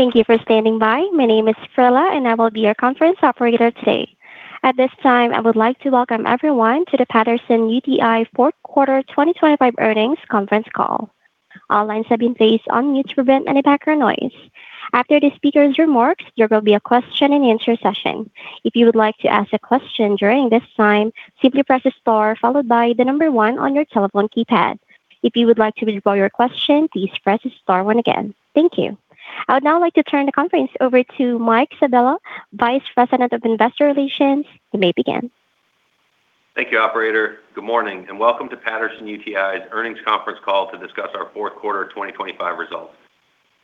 Thank you for standing by. My name is Frilla, and I will be your conference operator today. At this time, I would like to welcome everyone to the Patterson-UTI Fourth Quarter 2025 Earnings Conference Call. All lines have been placed on mute to prevent any background noise. After the speaker's remarks, there will be a question and answer session. If you would like to ask a question during this time, simply press star, followed by the number one on your telephone keypad. If you would like to withdraw your question, please press star one again. Thank you. I would now like to turn the conference over to Mike Sabella, Vice President of Investor Relations. You may begin. Thank you, operator. Good morning, and welcome to Patterson-UTI's earnings conference call to discuss our fourth quarter 2025 results.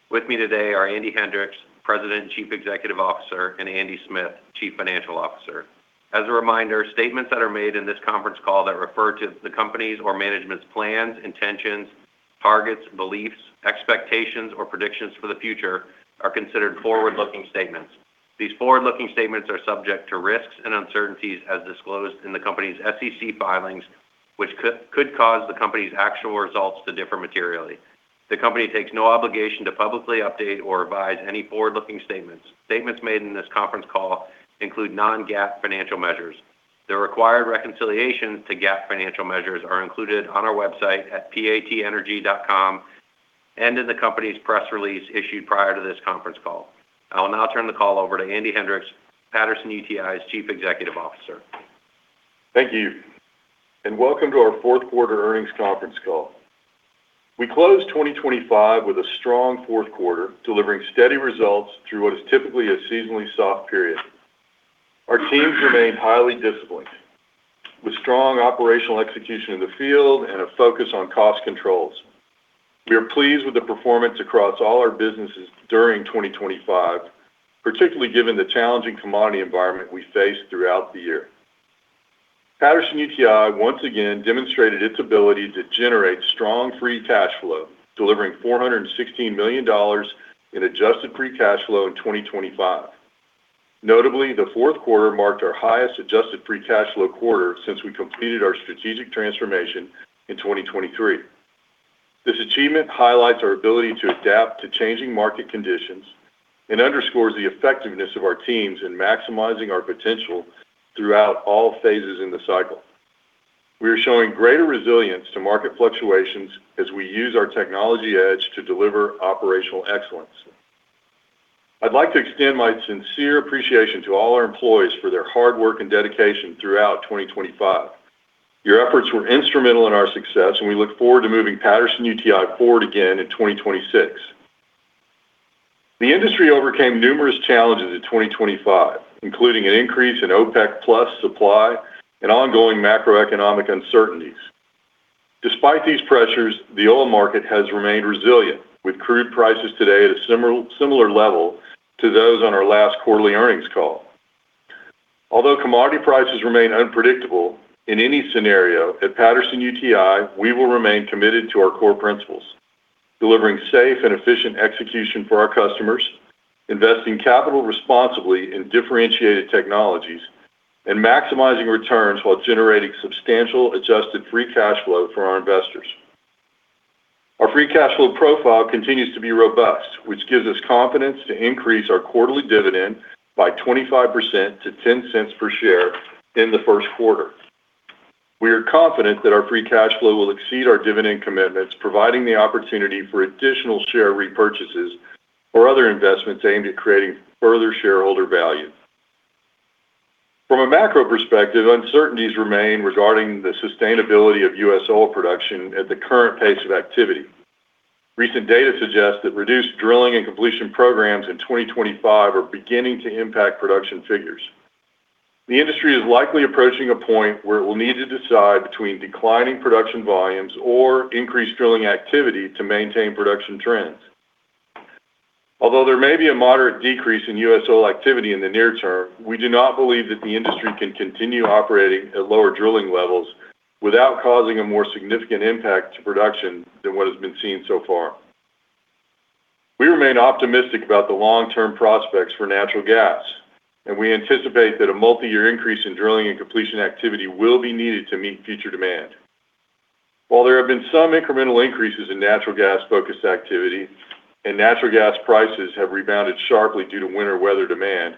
With me today are Andy Hendricks, President and Chief Executive Officer, and Andy Smith, Chief Financial Officer. As a reminder, statements that are made in this conference call that refer to the company's or management's plans, intentions, targets, beliefs, expectations, or predictions for the future are considered forward-looking statements. These forward-looking statements are subject to risks and uncertainties as disclosed in the company's SEC filings, which could cause the company's actual results to differ materially. The company takes no obligation to publicly update or revise any forward-looking statements. Statements made in this conference call include non-GAAP financial measures. The required reconciliation to GAAP financial measures are included on our website at patenergy.com and in the company's press release issued prior to this conference call. I will now turn the call over to Andy Hendricks, Patterson-UTI's Chief Executive Officer. Thank you, and welcome to our fourth quarter earnings conference call. We closed 2025 with a strong fourth quarter, delivering steady results through what is typically a seasonally soft period. Our teams remained highly disciplined, with strong operational execution in the field and a focus on cost controls. We are pleased with the performance across all our businesses during 2025, particularly given the challenging commodity environment we faced throughout the year. Patterson-UTI once again demonstrated its ability to generate strong free cash flow, delivering $416 million in adjusted free cash flow in 2025. Notably, the fourth quarter marked our highest adjusted free cash flow quarter since we completed our strategic transformation in 2023. This achievement highlights our ability to adapt to changing market conditions and underscores the effectiveness of our teams in maximizing our potential throughout all phases in the cycle. We are showing greater resilience to market fluctuations as we use our technology edge to deliver operational excellence. I'd like to extend my sincere appreciation to all our employees for their hard work and dedication throughout 2025. Your efforts were instrumental in our success, and we look forward to moving Patterson-UTI forward again in 2026. The industry overcame numerous challenges in 2025, including an increase in OPEC+ supply and ongoing macroeconomic uncertainties. Despite these pressures, the oil market has remained resilient, with crude prices today at a similar, similar level to those on our last quarterly earnings call. Although commodity prices remain unpredictable, in any scenario, at Patterson-UTI, we will remain committed to our core principles: delivering safe and efficient execution for our customers, investing capital responsibly in differentiated technologies, and maximizing returns while generating substantial adjusted free cash flow for our investors. Our free cash flow profile continues to be robust, which gives us confidence to increase our quarterly dividend by 25% to $0.10 per share in the first quarter. We are confident that our free cash flow will exceed our dividend commitments, providing the opportunity for additional share repurchases or other investments aimed at creating further shareholder value. From a macro perspective, uncertainties remain regarding the sustainability of U.S. oil production at the current pace of activity. Recent data suggests that reduced drilling and completion programs in 2025 are beginning to impact production figures. The industry is likely approaching a point where it will need to decide between declining production volumes or increased drilling activity to maintain production trends. Although there may be a moderate decrease in U.S. oil activity in the near term, we do not believe that the industry can continue operating at lower drilling levels without causing a more significant impact to production than what has been seen so far. We remain optimistic about the long-term prospects for natural gas, and we anticipate that a multi-year increase in drilling and completion activity will be needed to meet future demand. While there have been some incremental increases in natural gas-focused activity and natural gas prices have rebounded sharply due to winter weather demand,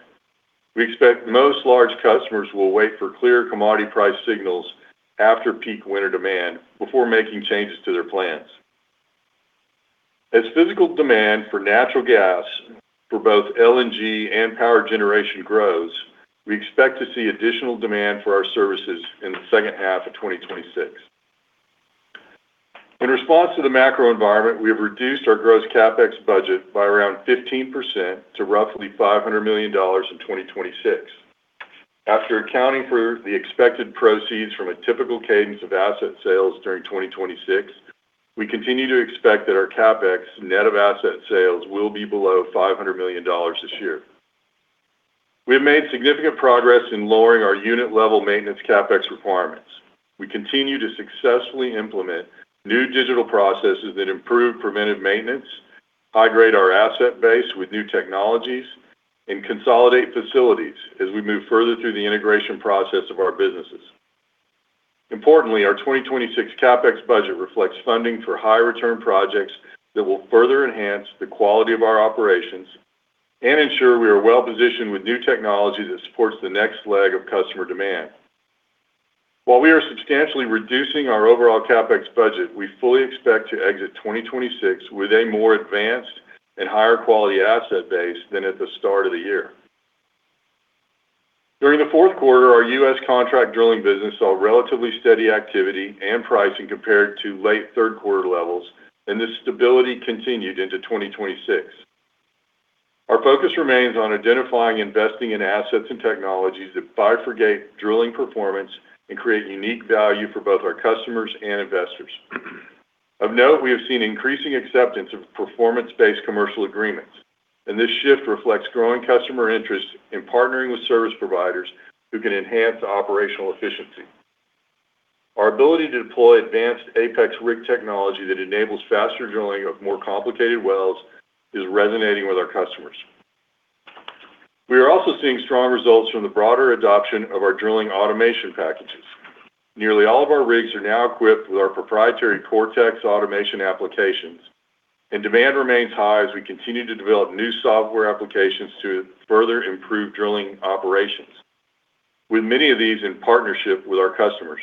we expect most large customers will wait for clear commodity price signals after peak winter demand before making changes to their plans. As physical demand for natural gas for both LNG and power generation grows, we expect to see additional demand for our services in the second half of 2026. In response to the macro environment, we have reduced our gross CapEx budget by around 15% to roughly $500 million in 2026. After accounting for the expected proceeds from a typical cadence of asset sales during 2026, we continue to expect that our CapEx, net of asset sales, will be below $500 million this year. We have made significant progress in lowering our unit-level maintenance CapEx requirements. We continue to successfully implement new digital processes that improve preventive maintenance, high-grade our asset base with new technologies, and consolidate facilities as we move further through the integration process of our businesses. Importantly, our 2026 CapEx budget reflects funding for high return projects that will further enhance the quality of our operations and ensure we are well-positioned with new technology that supports the next leg of customer demand. While we are substantially reducing our overall CapEx budget, we fully expect to exit 2026 with a more advanced and higher quality asset base than at the start of the year. During the fourth quarter, our U.S. contract drilling business saw relatively steady activity and pricing compared to late third quarter levels, and this stability continued into 2026. Our focus remains on identifying, investing in assets and technologies that bifurcate drilling performance and create unique value for both our customers and investors. Of note, we have seen increasing acceptance of performance-based commercial agreements, and this shift reflects growing customer interest in partnering with service providers who can enhance operational efficiency. Our ability to deploy advanced APEX rig technology that enables faster drilling of more complicated wells is resonating with our customers. We are also seeing strong results from the broader adoption of our drilling automation packages. Nearly all of our rigs are now equipped with our proprietary Cortex automation applications, and demand remains high as we continue to develop new software applications to further improve drilling operations, with many of these in partnership with our customers.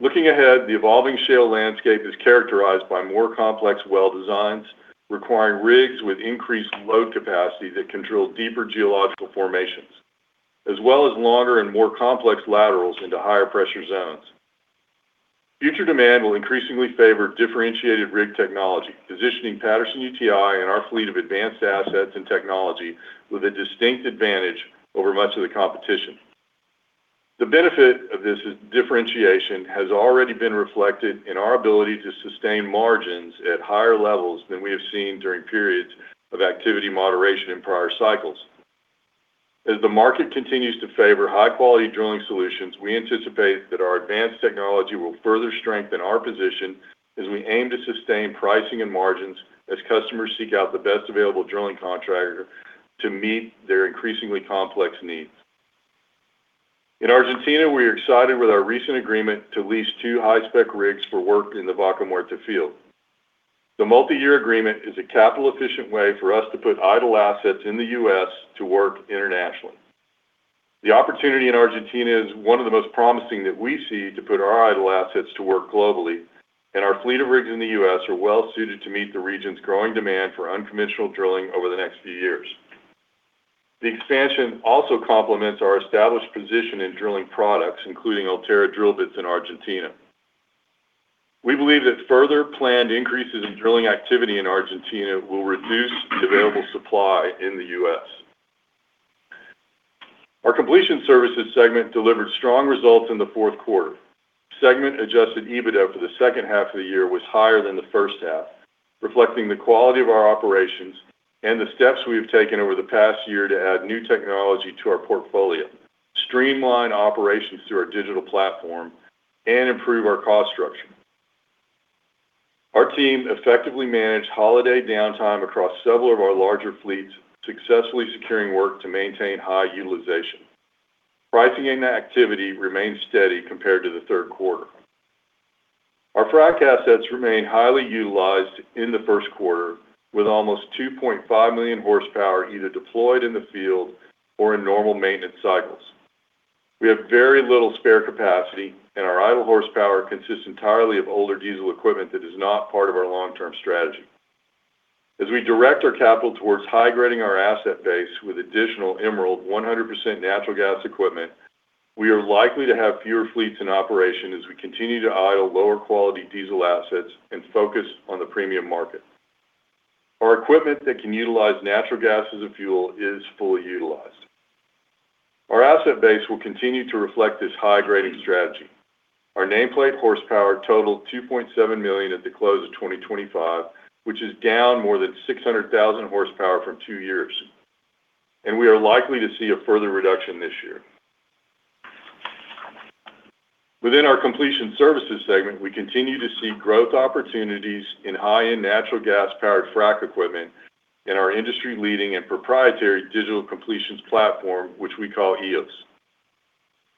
Looking ahead, the evolving shale landscape is characterized by more complex well designs, requiring rigs with increased load capacity that can drill deeper geological formations, as well as longer and more complex laterals into higher pressure zones. Future demand will increasingly favor differentiated rig technology, positioning Patterson-UTI and our fleet of advanced assets and technology with a distinct advantage over much of the competition. The benefit of this differentiation has already been reflected in our ability to sustain margins at higher levels than we have seen during periods of activity moderation in prior cycles. As the market continues to favor high-quality drilling solutions, we anticipate that our advanced technology will further strengthen our position as we aim to sustain pricing and margins, as customers seek out the best available drilling contractor to meet their increasingly complex needs. In Argentina, we are excited with our recent agreement to lease two high-spec rigs for work in the Vaca Muerta field. The multi-year agreement is a capital-efficient way for us to put idle assets in the U.S. to work internationally. The opportunity in Argentina is one of the most promising that we see to put our idle assets to work globally, and our fleet of rigs in the U.S. are well suited to meet the region's growing demand for unconventional drilling over the next few years. The expansion also complements our established position in drilling products, including Ulterra drill bits in Argentina. We believe that further planned increases in drilling activity in Argentina will reduce the available supply in the U.S. Our completion services segment delivered strong results in the fourth quarter. Segment adjusted EBITDA for the second half of the year was higher than the first half, reflecting the quality of our operations and the steps we have taken over the past year to add new technology to our portfolio, streamline operations through our digital platform, and improve our cost structure. Our team effectively managed holiday downtime across several of our larger fleets, successfully securing work to maintain high utilization. Pricing and activity remained steady compared to the third quarter. Our frac assets remained highly utilized in the first quarter, with almost 2.5 million horsepower either deployed in the field or in normal maintenance cycles. We have very little spare capacity, and our idle horsepower consists entirely of older diesel equipment that is not part of our long-term strategy. As we direct our capital towards high-grading our asset base with additional Emerald 100% natural gas equipment, we are likely to have fewer fleets in operation as we continue to idle lower quality diesel assets and focus on the premium market. Our equipment that can utilize natural gas as a fuel is fully utilized. Our asset base will continue to reflect this high-grading strategy. Our nameplate horsepower totaled 2.7 million at the close of 2025, which is down more than 600,000 horsepower from two years, and we are likely to see a further reduction this year. Within our completion services segment, we continue to see growth opportunities in high-end natural gas-powered frac equipment and our industry-leading and proprietary Digital Completions Platform, which we call eos.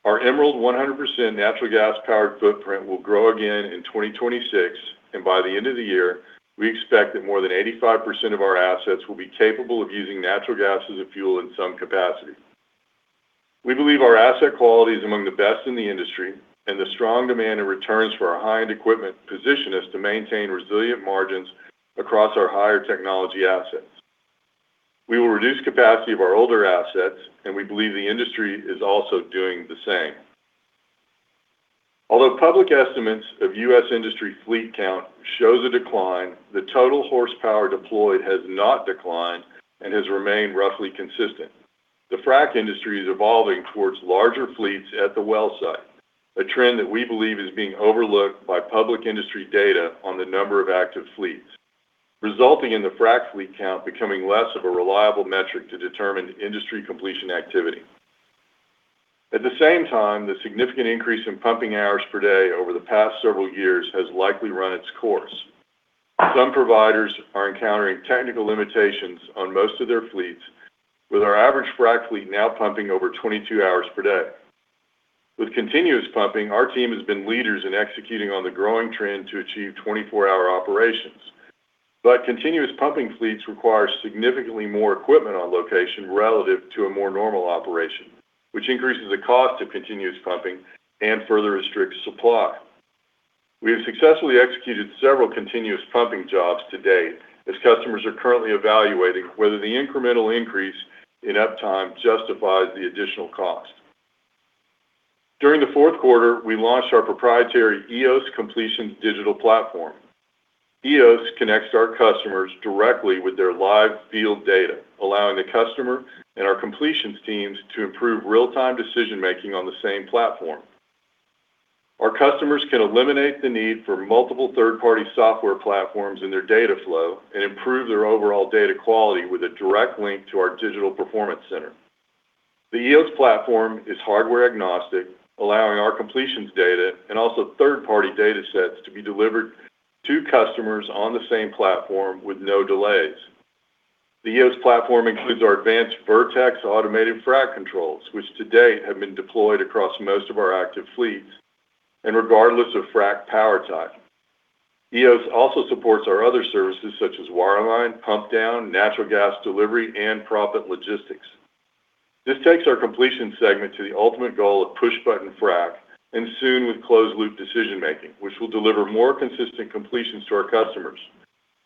Our Emerald 100% natural gas-powered footprint will grow again in 2026, and by the end of the year, we expect that more than 85% of our assets will be capable of using natural gas as a fuel in some capacity. We believe our asset quality is among the best in the industry, and the strong demand and returns for our high-end equipment position us to maintain resilient margins across our higher technology assets. We will reduce capacity of our older assets, and we believe the industry is also doing the same. Although public estimates of U.S. industry fleet count shows a decline, the total horsepower deployed has not declined and has remained roughly consistent. The frac industry is evolving towards larger fleets at the well site, a trend that we believe is being overlooked by public industry data on the number of active fleets, resulting in the frac fleet count becoming less of a reliable metric to determine industry completion activity. At the same time, the significant increase in pumping hours per day over the past several years has likely run its course. Some providers are encountering technical limitations on most of their fleets, with our average frac fleet now pumping over 22 hours per day. With continuous pumping, our team has been leaders in executing on the growing trend to achieve 24-hour operations. But continuous pumping fleets require significantly more equipment on location relative to a more normal operation, which increases the cost of continuous pumping and further restricts supply. We have successfully executed several continuous pumping jobs to date, as customers are currently evaluating whether the incremental increase in uptime justifies the additional cost. During the fourth quarter, we launched our proprietary eos Completions Digital Platform. eos connects our customers directly with their live field data, allowing the customer and our completions teams to improve real-time decision-making on the same platform. Our customers can eliminate the need for multiple third-party software platforms in their data flow and improve their overall data quality with a direct link to our Digital Performance Center. The eos platform is hardware agnostic, allowing our completions data and also third-party data sets to be delivered to customers on the same platform with no delays. The eos platform includes our advanced Vertex automated frac controls, which to date have been deployed across most of our active fleets and regardless of frac power type. eos also supports our other services, such as wireline, pump down, natural gas delivery, and proppant logistics. This takes our Completion segment to the ultimate goal of push-button frac, and soon with closed-loop decision-making, which will deliver more consistent completions to our customers,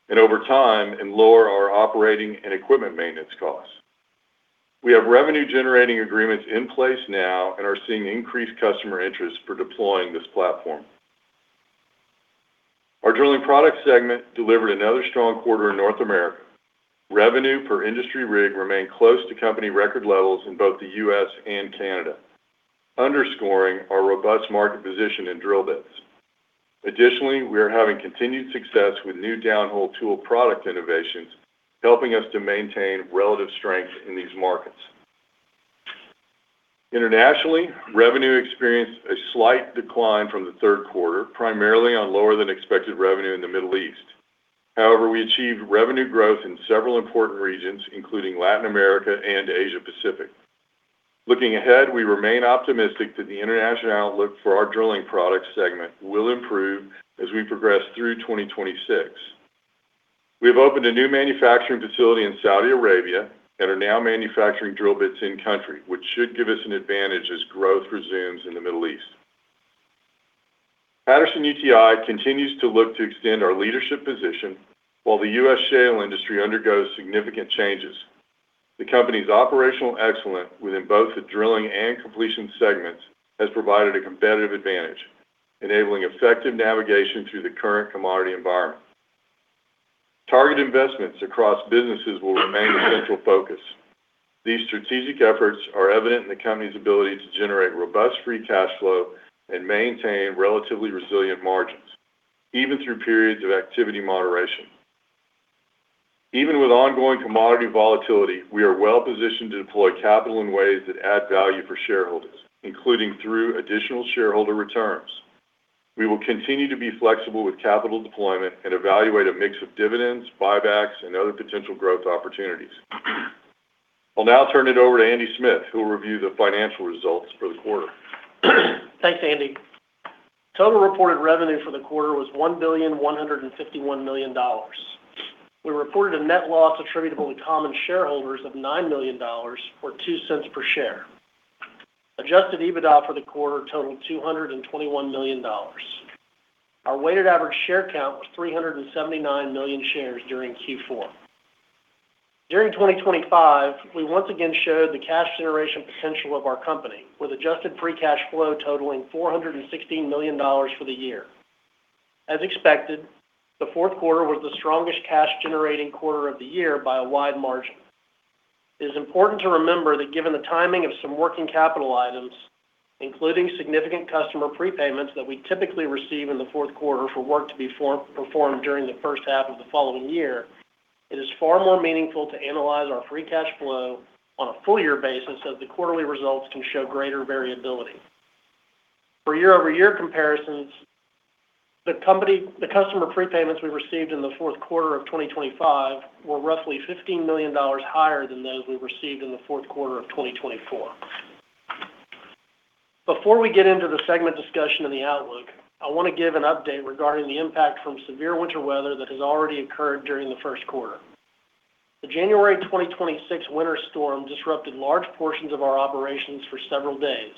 and over time, and lower our operating and equipment maintenance costs. We have revenue-generating agreements in place now and are seeing increased customer interest for deploying this platform. Our Drilling Products segment delivered another strong quarter in North America. Revenue per industry rig remained close to company record levels in both the U.S. and Canada, underscoring our robust market position in drill bits. Additionally, we are having continued success with new downhole tool product innovations, helping us to maintain relative strength in these markets. Internationally, revenue experienced a slight decline from the third quarter, primarily on lower-than-expected revenue in the Middle East. However, we achieved revenue growth in several important regions, including Latin America and Asia Pacific. Looking ahead, we remain optimistic that the international outlook for our drilling products segment will improve as we progress through 2026. We have opened a new manufacturing facility in Saudi Arabia and are now manufacturing drill bits in-country, which should give us an advantage as growth resumes in the Middle East. Patterson-UTI continues to look to extend our leadership position while the US shale industry undergoes significant changes. The company's operational excellence within both the drilling and completion segments has provided a competitive advantage, enabling effective navigation through the current commodity environment. Target investments across businesses will remain a central focus. These strategic efforts are evident in the company's ability to generate robust free cash flow and maintain relatively resilient margins, even through periods of activity moderation. Even with ongoing commodity volatility, we are well-positioned to deploy capital in ways that add value for shareholders, including through additional shareholder returns. We will continue to be flexible with capital deployment and evaluate a mix of dividends, buybacks, and other potential growth opportunities. I'll now turn it over to Andy Smith, who will review the financial results for the quarter. Thanks, Andy. Total reported revenue for the quarter was $1.151 billion. We reported a net loss attributable to common shareholders of $9 million, or $0.02 per share. Adjusted EBITDA for the quarter totaled $221 million. Our weighted average share count was 379 million shares during Q4. During 2025, we once again showed the cash generation potential of our company, with adjusted free cash flow totaling $416 million for the year. As expected, the fourth quarter was the strongest cash-generating quarter of the year by a wide margin. It is important to remember that given the timing of some working capital items, including significant customer prepayments that we typically receive in the fourth quarter for work to be performed during the first half of the following year, it is far more meaningful to analyze our free cash flow on a full year basis, as the quarterly results can show greater variability. For year-over-year comparisons, the customer prepayments we received in the fourth quarter of 2025 were roughly $15 million higher than those we received in the fourth quarter of 2024. Before we get into the segment discussion and the outlook, I want to give an update regarding the impact from severe winter weather that has already occurred during the first quarter. The January 2026 winter storm disrupted large portions of our operations for several days,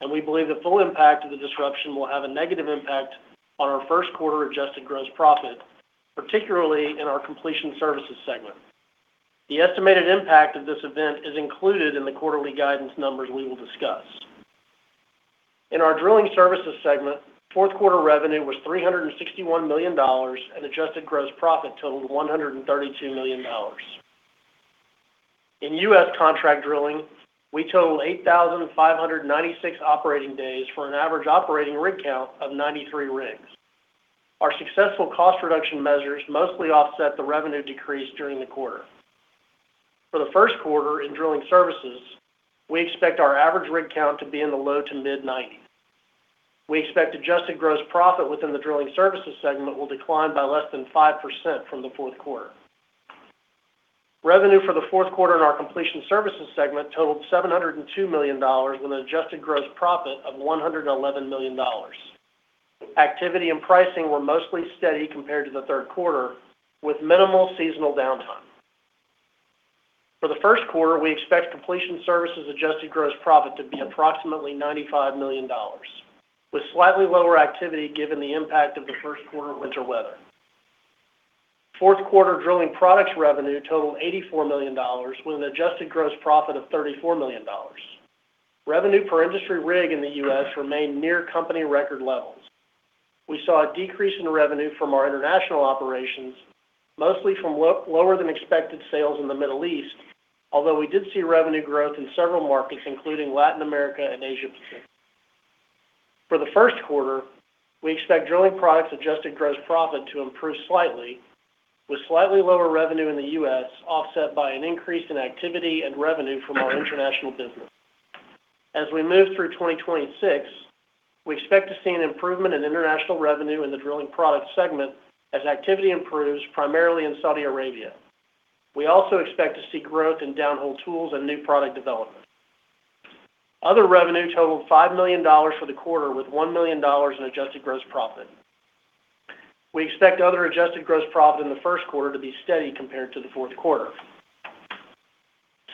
and we believe the full impact of the disruption will have a negative impact on our first quarter adjusted gross profit, particularly in our completion services segment. The estimated impact of this event is included in the quarterly guidance numbers we will discuss. In our drilling services segment, fourth quarter revenue was $361 million, and adjusted gross profit totaled $132 million. In U.S. contract drilling, we totaled 8,596 operating days for an average operating rig count of 93 rigs. Our successful cost reduction measures mostly offset the revenue decrease during the quarter. For the first quarter in drilling services, we expect our average rig count to be in the low- to mid-90. We expect adjusted gross profit within the drilling services segment will decline by less than 5% from the fourth quarter. Revenue for the fourth quarter in our completion services segment totaled $702 million, with an adjusted gross profit of $111 million. Activity and pricing were mostly steady compared to the third quarter, with minimal seasonal downtime. For the first quarter, we expect completion services adjusted gross profit to be approximately $95 million, with slightly lower activity given the impact of the first quarter winter weather. Fourth quarter drilling products revenue totaled $84 million, with an adjusted gross profit of $34 million. Revenue per industry rig in the U.S. remained near company record levels. We saw a decrease in revenue from our international operations, mostly from lower than expected sales in the Middle East, although we did see revenue growth in several markets, including Latin America and Asia Pacific. For the first quarter, we expect drilling products adjusted gross profit to improve slightly, with slightly lower revenue in the U.S., offset by an increase in activity and revenue from our international business. As we move through 2026, we expect to see an improvement in international revenue in the drilling product segment as activity improves, primarily in Saudi Arabia. We also expect to see growth in downhole tools and new product development. Other revenue totaled $5 million for the quarter, with $1 million in adjusted gross profit. We expect other adjusted gross profit in the first quarter to be steady compared to the fourth quarter.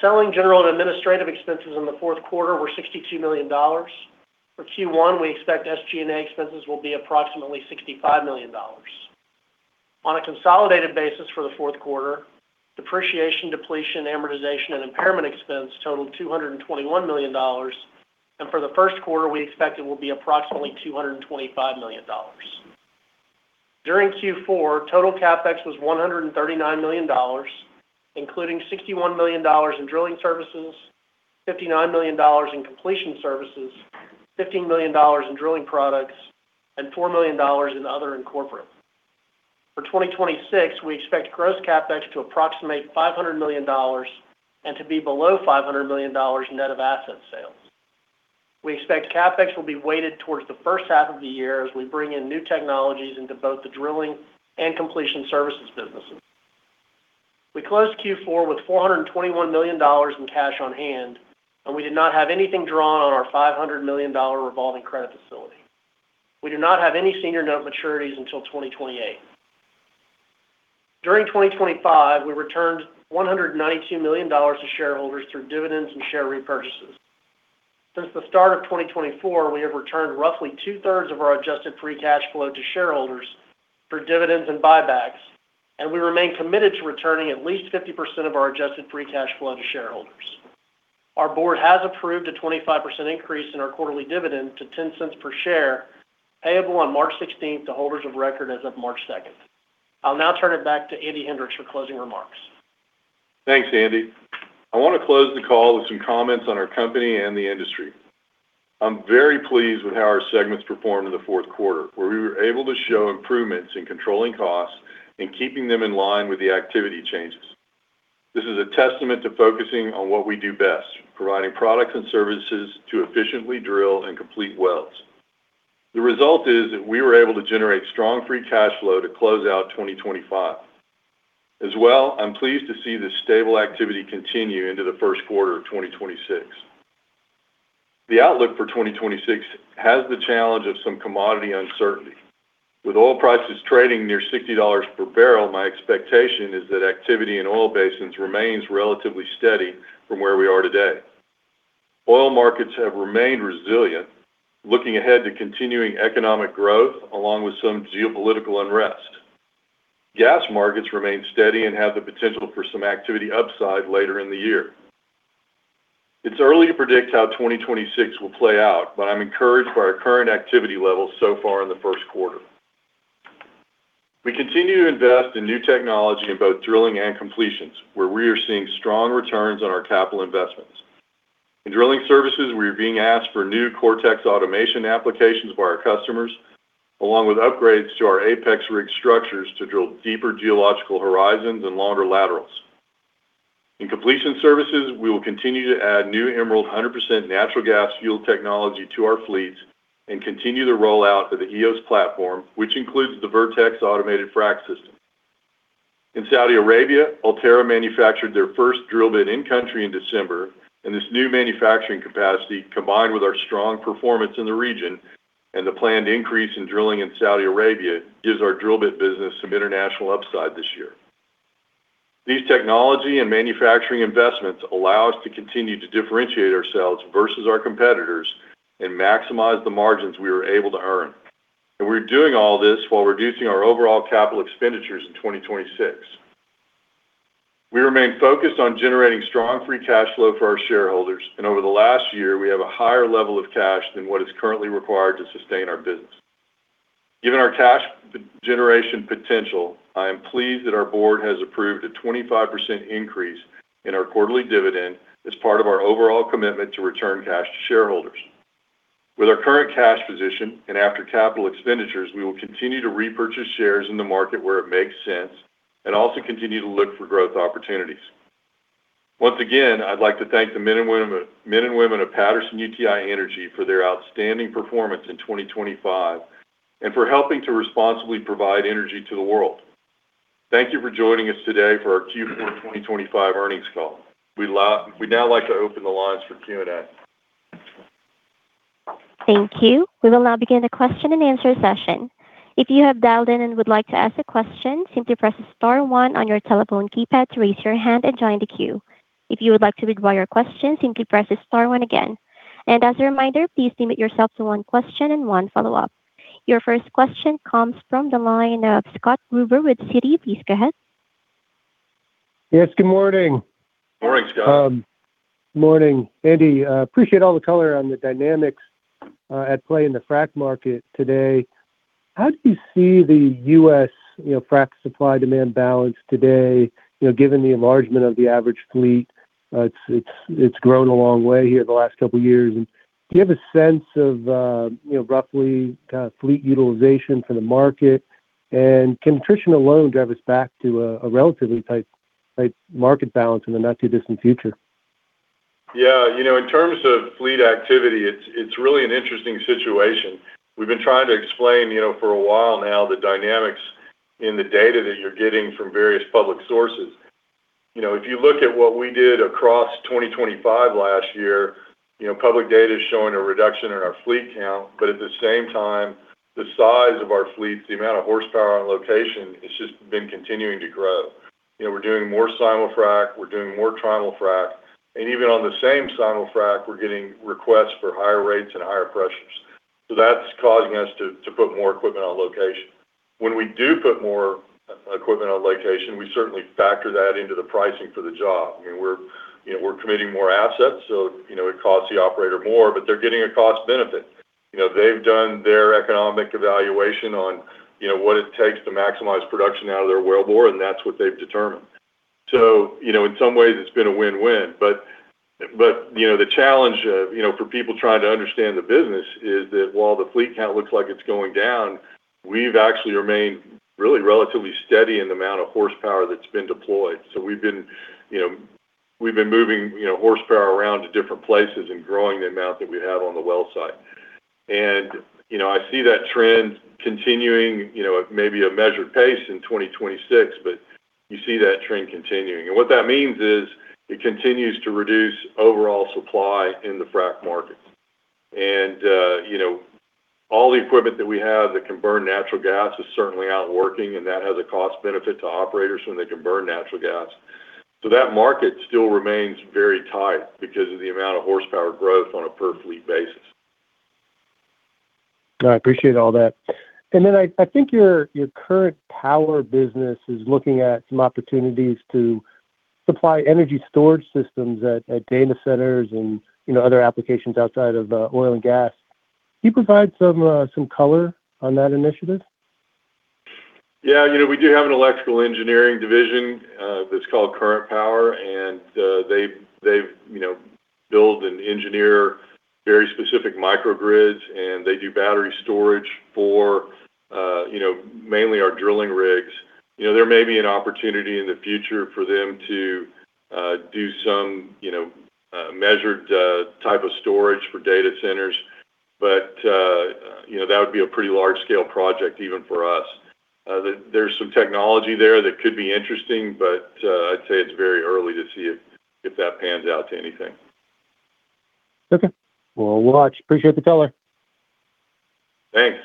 Selling, general, and administrative expenses in the fourth quarter were $62 million. For Q1, we expect SG&A expenses will be approximately $65 million. On a consolidated basis for the fourth quarter, depreciation, depletion, amortization, and impairment expense totaled $221 million, and for the first quarter, we expect it will be approximately $225 million. During Q4, total CapEx was $139 million, including $61 million in drilling services, $59 million in completion services, $15 million in drilling products, and $4 million in other and corporate. For 2026, we expect gross CapEx to approximate $500 million and to be below $500 million net of asset sales. We expect CapEx will be weighted towards the first half of the year as we bring in new technologies into both the drilling and completion services businesses. We closed Q4 with $421 million in cash on hand, and we did not have anything drawn on our $500 million revolving credit facility. We do not have any senior note maturities until 2028. During 2025, we returned $192 million to shareholders through dividends and share repurchases. Since the start of 2024, we have returned roughly two-thirds of our adjusted free cash flow to shareholders for dividends and buybacks, and we remain committed to returning at least 50% of our adjusted free cash flow to shareholders. Our board has approved a 25% increase in our quarterly dividend to $0.10 per share, payable on March 16th to holders of record as of March 2nd. I'll now turn it back to Andy Hendricks for closing remarks. Thanks, Andy. I want to close the call with some comments on our company and the industry. I'm very pleased with how our segments performed in the fourth quarter, where we were able to show improvements in controlling costs and keeping them in line with the activity changes. This is a testament to focusing on what we do best, providing products and services to efficiently drill and complete wells. The result is that we were able to generate strong free cash flow to close out 2025. As well, I'm pleased to see this stable activity continue into the first quarter of 2026. The outlook for 2026 has the challenge of some commodity uncertainty. With oil prices trading near $60 per barrel, my expectation is that activity in oil basins remains relatively steady from where we are today. Oil markets have remained resilient, looking ahead to continuing economic growth along with some geopolitical unrest. Gas markets remain steady and have the potential for some activity upside later in the year. It's early to predict how 2026 will play out, but I'm encouraged by our current activity levels so far in the first quarter. We continue to invest in new technology in both drilling and completions, where we are seeing strong returns on our capital investments. In drilling services, we are being asked for new Cortex automation applications by our customers, along with upgrades to our APEX rig structures to drill deeper geological horizons and longer laterals. In completion services, we will continue to add new Emerald 100% natural gas fuel technology to our fleets and continue the rollout of the eos platform, which includes the Vertex automated frac system. In Saudi Arabia, Ulterra manufactured their first drill bit in-country in December, and this new manufacturing capacity, combined with our strong performance in the region and the planned increase in drilling in Saudi Arabia, gives our drill bit business some international upside this year. These technology and manufacturing investments allow us to continue to differentiate ourselves versus our competitors and maximize the margins we are able to earn. We're doing all this while reducing our overall capital expenditures in 2026. We remain focused on generating strong free cash flow for our shareholders, and over the last year, we have a higher level of cash than what is currently required to sustain our business. Given our cash generation potential, I am pleased that our board has approved a 25% increase in our quarterly dividend as part of our overall commitment to return cash to shareholders. With our current cash position and after capital expenditures, we will continue to repurchase shares in the market where it makes sense and also continue to look for growth opportunities. Once again, I'd like to thank the men and women, men and women of Patterson-UTI Energy for their outstanding performance in 2025, and for helping to responsibly provide energy to the world. Thank you for joining us today for our Q4 2025 earnings call. We'd now like to open the lines for Q&A. Thank you. We will now begin the question and answer session. If you have dialed in and would like to ask a question, simply press star one on your telephone keypad to raise your hand and join the queue. If you would like to withdraw your question, simply press star one again. And as a reminder, please limit yourself to one question and one follow-up. Your first question comes from the line of Scott Gruber with Citi. Please go ahead. Yes, good morning. Morning, Scott. Morning, Andy. I appreciate all the color on the dynamics at play in the frac market today. How do you see the U.S., you know, frac supply-demand balance today, you know, given the enlargement of the average fleet? It's grown a long way here the last couple of years. And do you have a sense of, you know, roughly, fleet utilization for the market? And can attrition alone drive us back to a relatively tight market balance in the not-too-distant future? Yeah. You know, in terms of fleet activity, it's really an interesting situation. We've been trying to explain, you know, for a while now, the dynamics in the data that you're getting from various public sources. You know, if you look at what we did across 2025 last year, you know, public data is showing a reduction in our fleet count, but at the same time, the size of our fleets, the amount of horsepower on location, has just been continuing to grow. You know, we're doing more Simul-Frac, we're doing more trimul-frac, and even on the same Simul-Frac, we're getting requests for higher rates and higher pressures. So that's causing us to put more equipment on location. When we do put more equipment on location, we certainly factor that into the pricing for the job. I mean, we're, you know, we're committing more assets, so, you know, it costs the operator more, but they're getting a cost benefit. You know, they've done their economic evaluation on, you know, what it takes to maximize production out of their wellbore, and that's what they've determined. So, you know, in some ways, it's been a win-win, but, you know, the challenge, you know, for people trying to understand the business is that while the fleet count looks like it's going down, we've actually remained really relatively steady in the amount of horsepower that's been deployed. So we've been, you know, we've been moving, you know, horsepower around to different places and growing the amount that we have on the well site. And, you know, I see that trend continuing, you know, at maybe a measured pace in 2026, but you see that trend continuing. What that means is it continues to reduce overall supply in the frac market. You know, all the equipment that we have that can burn natural gas is certainly out working, and that has a cost benefit to operators when they can burn natural gas. That market still remains very tight because of the amount of horsepower growth on a per-fleet basis. I appreciate all that. And then I, I think your, your Current Power business is looking at some opportunities to supply energy storage systems at, at data centers and, you know, other applications outside of, oil and gas. Can you provide some color on that initiative? Yeah, you know, we do have an electrical engineering division that's called Current Power, and they, they've, you know, build and engineer very specific microgrids, and they do battery storage for, you know, mainly our drilling rigs. You know, there may be an opportunity in the future for them to do some, you know, measured type of storage for data centers, but, you know, that would be a pretty large-scale project, even for us. There's some technology there that could be interesting, but I'd say it's very early to see if that pans out to anything. Okay. We'll watch. Appreciate the color. Thanks.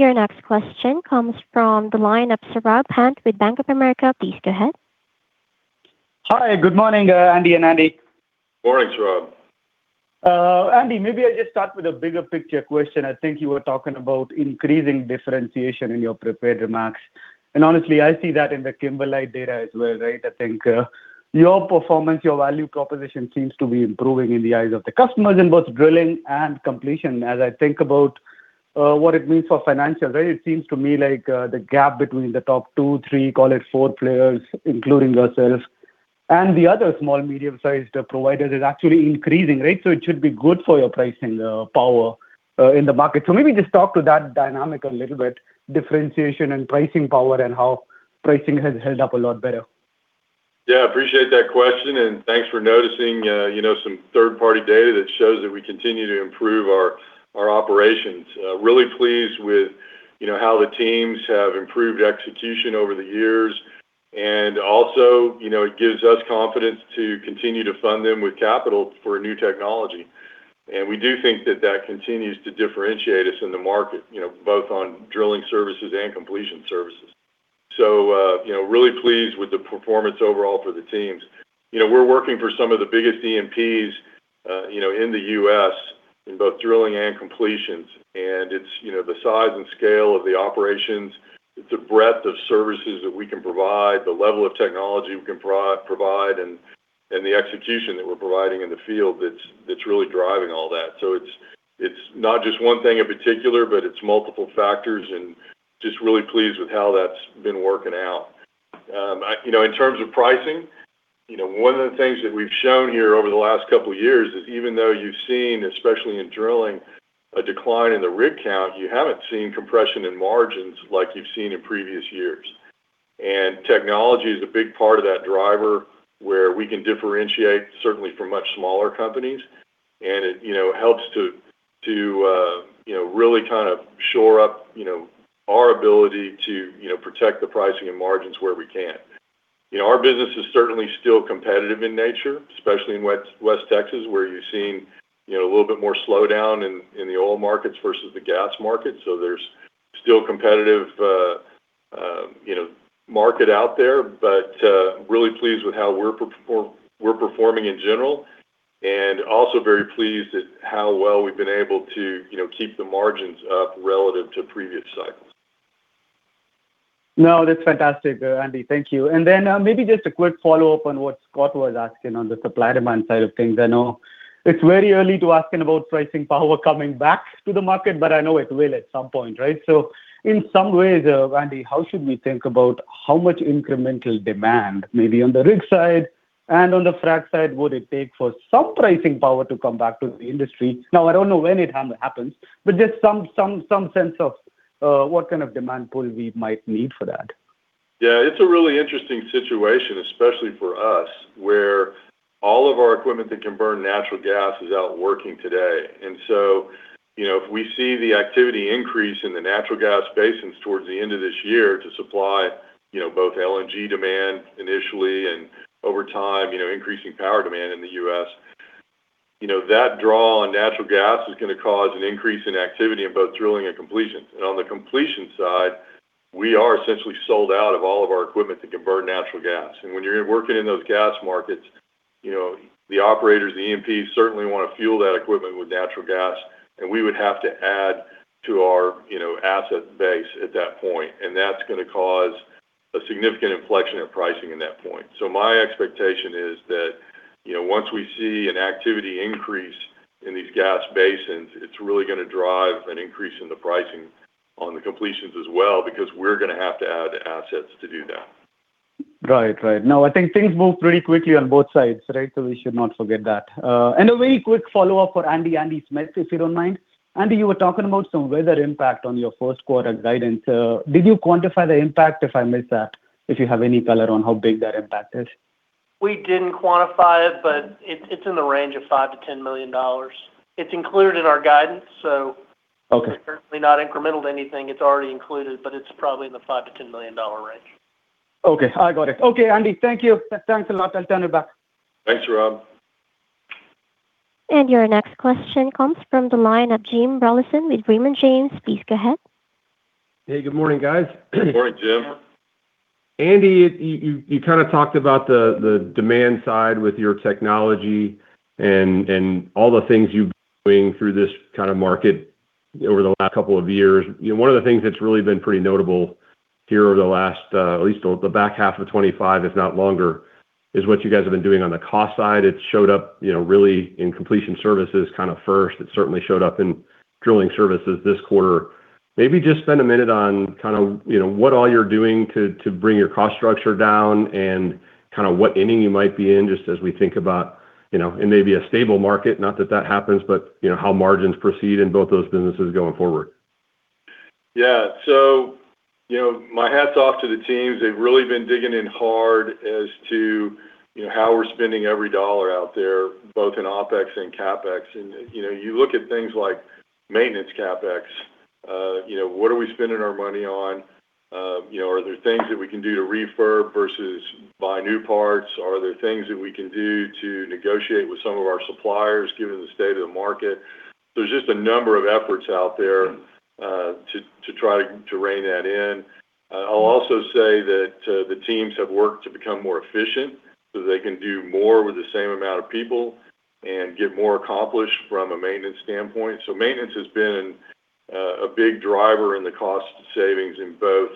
Your next question comes from the line of Saurabh Pant with Bank of America. Please go ahead. Hi, good morning, Andy and Andy. Morning, Saurabh. Andy, maybe I just start with a bigger picture question. I think you were talking about increasing differentiation in your prepared remarks, and honestly, I see that in the Kimberlite data as well, right? I think, your performance, your value proposition seems to be improving in the eyes of the customers in both drilling and completion. As I think about, what it means for financial, right, it seems to me like, the gap between the top two, three, call it four players, including yourself and the other small medium-sized providers, is actually increasing, right? So it should be good for your pricing, power, in the market. So maybe just talk to that dynamic a little bit, differentiation and pricing power, and how pricing has held up a lot better. Yeah, appreciate that question, and thanks for noticing, you know, some third-party data that shows that we continue to improve our operations. Really pleased with, you know, how the teams have improved execution over the years. And also, you know, it gives us confidence to continue to fund them with capital for new technology. And we do think that that continues to differentiate us in the market, you know, both on drilling services and completion services. So, you know, really pleased with the performance overall for the teams. You know, we're working for some of the biggest E&Ps, you know, in the U.S., in both drilling and completions, and it's, you know, the size and scale of the operations, it's the breadth of services that we can provide, the level of technology we can provide, and the execution that we're providing in the field that's really driving all that. So it's not just one thing in particular, but it's multiple factors, and just really pleased with how that's been working out. I, you know, in terms of pricing, you know, one of the things that we've shown here over the last couple of years is even though you've seen, especially in drilling, a decline in the rig count, you haven't seen compression in margins like you've seen in previous years. Technology is a big part of that driver, where we can differentiate, certainly from much smaller companies, and it, you know, helps to, to, you know, really kind of shore up, you know, our ability to, you know, protect the pricing and margins where we can. You know, our business is certainly still competitive in nature, especially in West Texas, where you're seeing, you know, a little bit more slowdown in the oil markets versus the gas market. So there's still competitive market out there, but really pleased with how we're performing in general, and also very pleased at how well we've been able to, you know, keep the margins up relative to previous cycles. No, that's fantastic, Andy. Thank you. And then, maybe just a quick follow-up on what Scott was asking on the supply-demand side of things. I know it's very early to ask him about pricing power coming back to the market, but I know it will at some point, right? So in some ways, Andy, how should we think about how much incremental demand, maybe on the rig side and on the frac side, would it take for some pricing power to come back to the industry? Now, I don't know when it happens, but just some sense of what kind of demand pull we might need for that. Yeah, it's a really interesting situation, especially for us, where all of our equipment that can burn natural gas is out working today. And so, you know, if we see the activity increase in the natural gas basins towards the end of this year to supply, you know, both LNG demand initially and over time, you know, increasing power demand in the U.S., you know, that draw on natural gas is gonna cause an increase in activity in both drilling and completion. And on the completion side, we are essentially sold out of all of our equipment that can burn natural gas. When you're working in those gas markets, you know, the operators, the E&Ps, certainly wanna fuel that equipment with natural gas, and we would have to add to our, you know, asset base at that point, and that's gonna cause a significant inflection of pricing in that point. My expectation is that, you know, once we see an activity increase in these gas basins, it's really gonna drive an increase in the pricing on the completions as well, because we're gonna have to add assets to do that. Right. Right. Now, I think things move pretty quickly on both sides, right? So we should not forget that. A very quick follow-up for Andy, Andy Smith, if you don't mind. Andy, you were talking about some weather impact on your first quarter guidance. Did you quantify the impact, if I missed that, if you have any color on how big that impact is? We didn't quantify it, but it's in the range of $5 million-$10 million. It's included in our guidance, so- Okay... it's certainly not incremental to anything. It's already included, but it's probably in the $5 million-$10 million range. Okay. I got it. Okay, Andy, thank you. Thanks a lot. I'll turn it back. Thanks, Saurabh. Your next question comes from the line of Jim Rollyson with Raymond James. Please go ahead. Hey, good morning, guys. Good morning, Jim. Andy, you kind of talked about the demand side with your technology and all the things you've been doing through this kind of market over the last couple of years. You know, one of the things that's really been pretty notable here over the last, at least the back half of 25, if not longer, is what you guys have been doing on the cost side. It showed up, you know, really in completion services kind of first. It certainly showed up in drilling services this quarter. Maybe just spend a minute on kind of, you know, what all you're doing to bring your cost structure down and kind of what inning you might be in, just as we think about, you know, and maybe a stable market, not that that happens, but, you know, how margins proceed in both those businesses going forward. Yeah. So, you know, my hat's off to the teams. They've really been digging in hard as to, you know, how we're spending every dollar out there, both in OpEx and CapEx. And, you know, you look at things like maintenance CapEx, you know, what are we spending our money on? You know, are there things that we can do to refurb versus buy new parts? Are there things that we can do to negotiate with some of our suppliers, given the state of the market? There's just a number of efforts out there to try to rein that in. I'll also say that the teams have worked to become more efficient, so they can do more with the same amount of people and get more accomplished from a maintenance standpoint. Maintenance has been a big driver in the cost savings in both,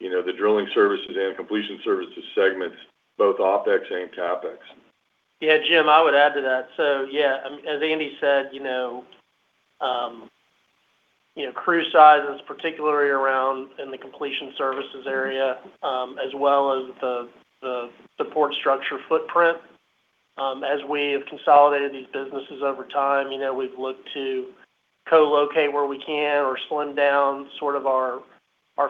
you know, the drilling services and completion services segments, both OpEx and CapEx. Yeah, Jim, I would add to that. So yeah, as Andy said, you know, you know, crew sizes, particularly around in the completion services area, as well as the support structure footprint. As we have consolidated these businesses over time, you know, we've looked to co-locate where we can or slim down sort of our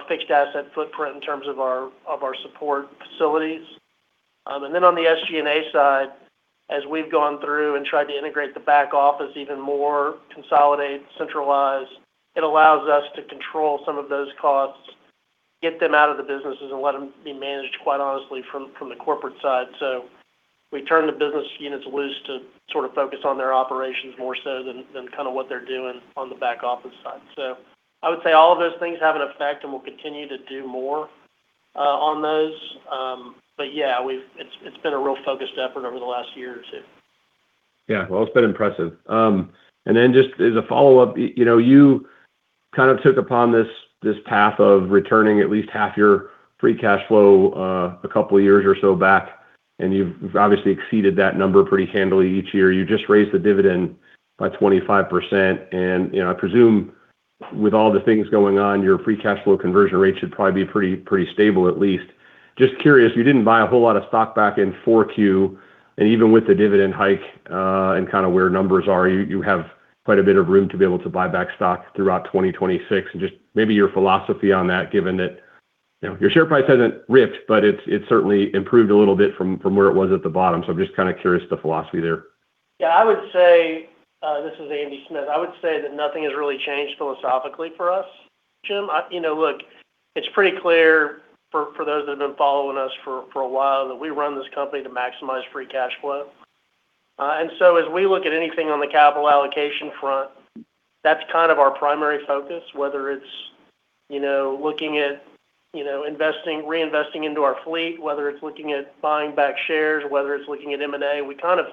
fixed asset footprint in terms of our support facilities. And then on the SG&A side, as we've gone through and tried to integrate the back office even more, consolidate, centralize, it allows us to control some of those costs, get them out of the businesses, and let them be managed, quite honestly, from the corporate side. So we turn the business units loose to sort of focus on their operations more so than kind of what they're doing on the back office side. So I would say all of those things have an effect, and we'll continue to do more on those. But yeah, it's been a real focused effort over the last year or two. Yeah. Well, it's been impressive. And then just as a follow-up, you know, you kind of took upon this, this path of returning at least half your free cash flow, a couple of years or so back, and you've obviously exceeded that number pretty handily each year. You just raised the dividend by 25%, and, you know, I presume with all the things going on, your free cash flow conversion rate should probably be pretty, pretty stable, at least. Just curious, you didn't buy a whole lot of stock back in 4Q, and even with the dividend hike, and kinda where numbers are, you, you have quite a bit of room to be able to buy back stock throughout 2026. Just maybe your philosophy on that, given that, you know, your share price hasn't ripped, but it's, it's certainly improved a little bit from, from where it was at the bottom. I'm just kinda curious the philosophy there. Yeah, I would say, this is Andy Smith. I would say that nothing has really changed philosophically for us, Jim. You know, look, it's pretty clear for those that have been following us for a while, that we run this company to maximize free cash flow. And so as we look at anything on the capital allocation front, that's kind of our primary focus, whether it's, you know, looking at, you know, investing, reinvesting into our fleet, whether it's looking at buying back shares, or whether it's looking at M&A, we kind of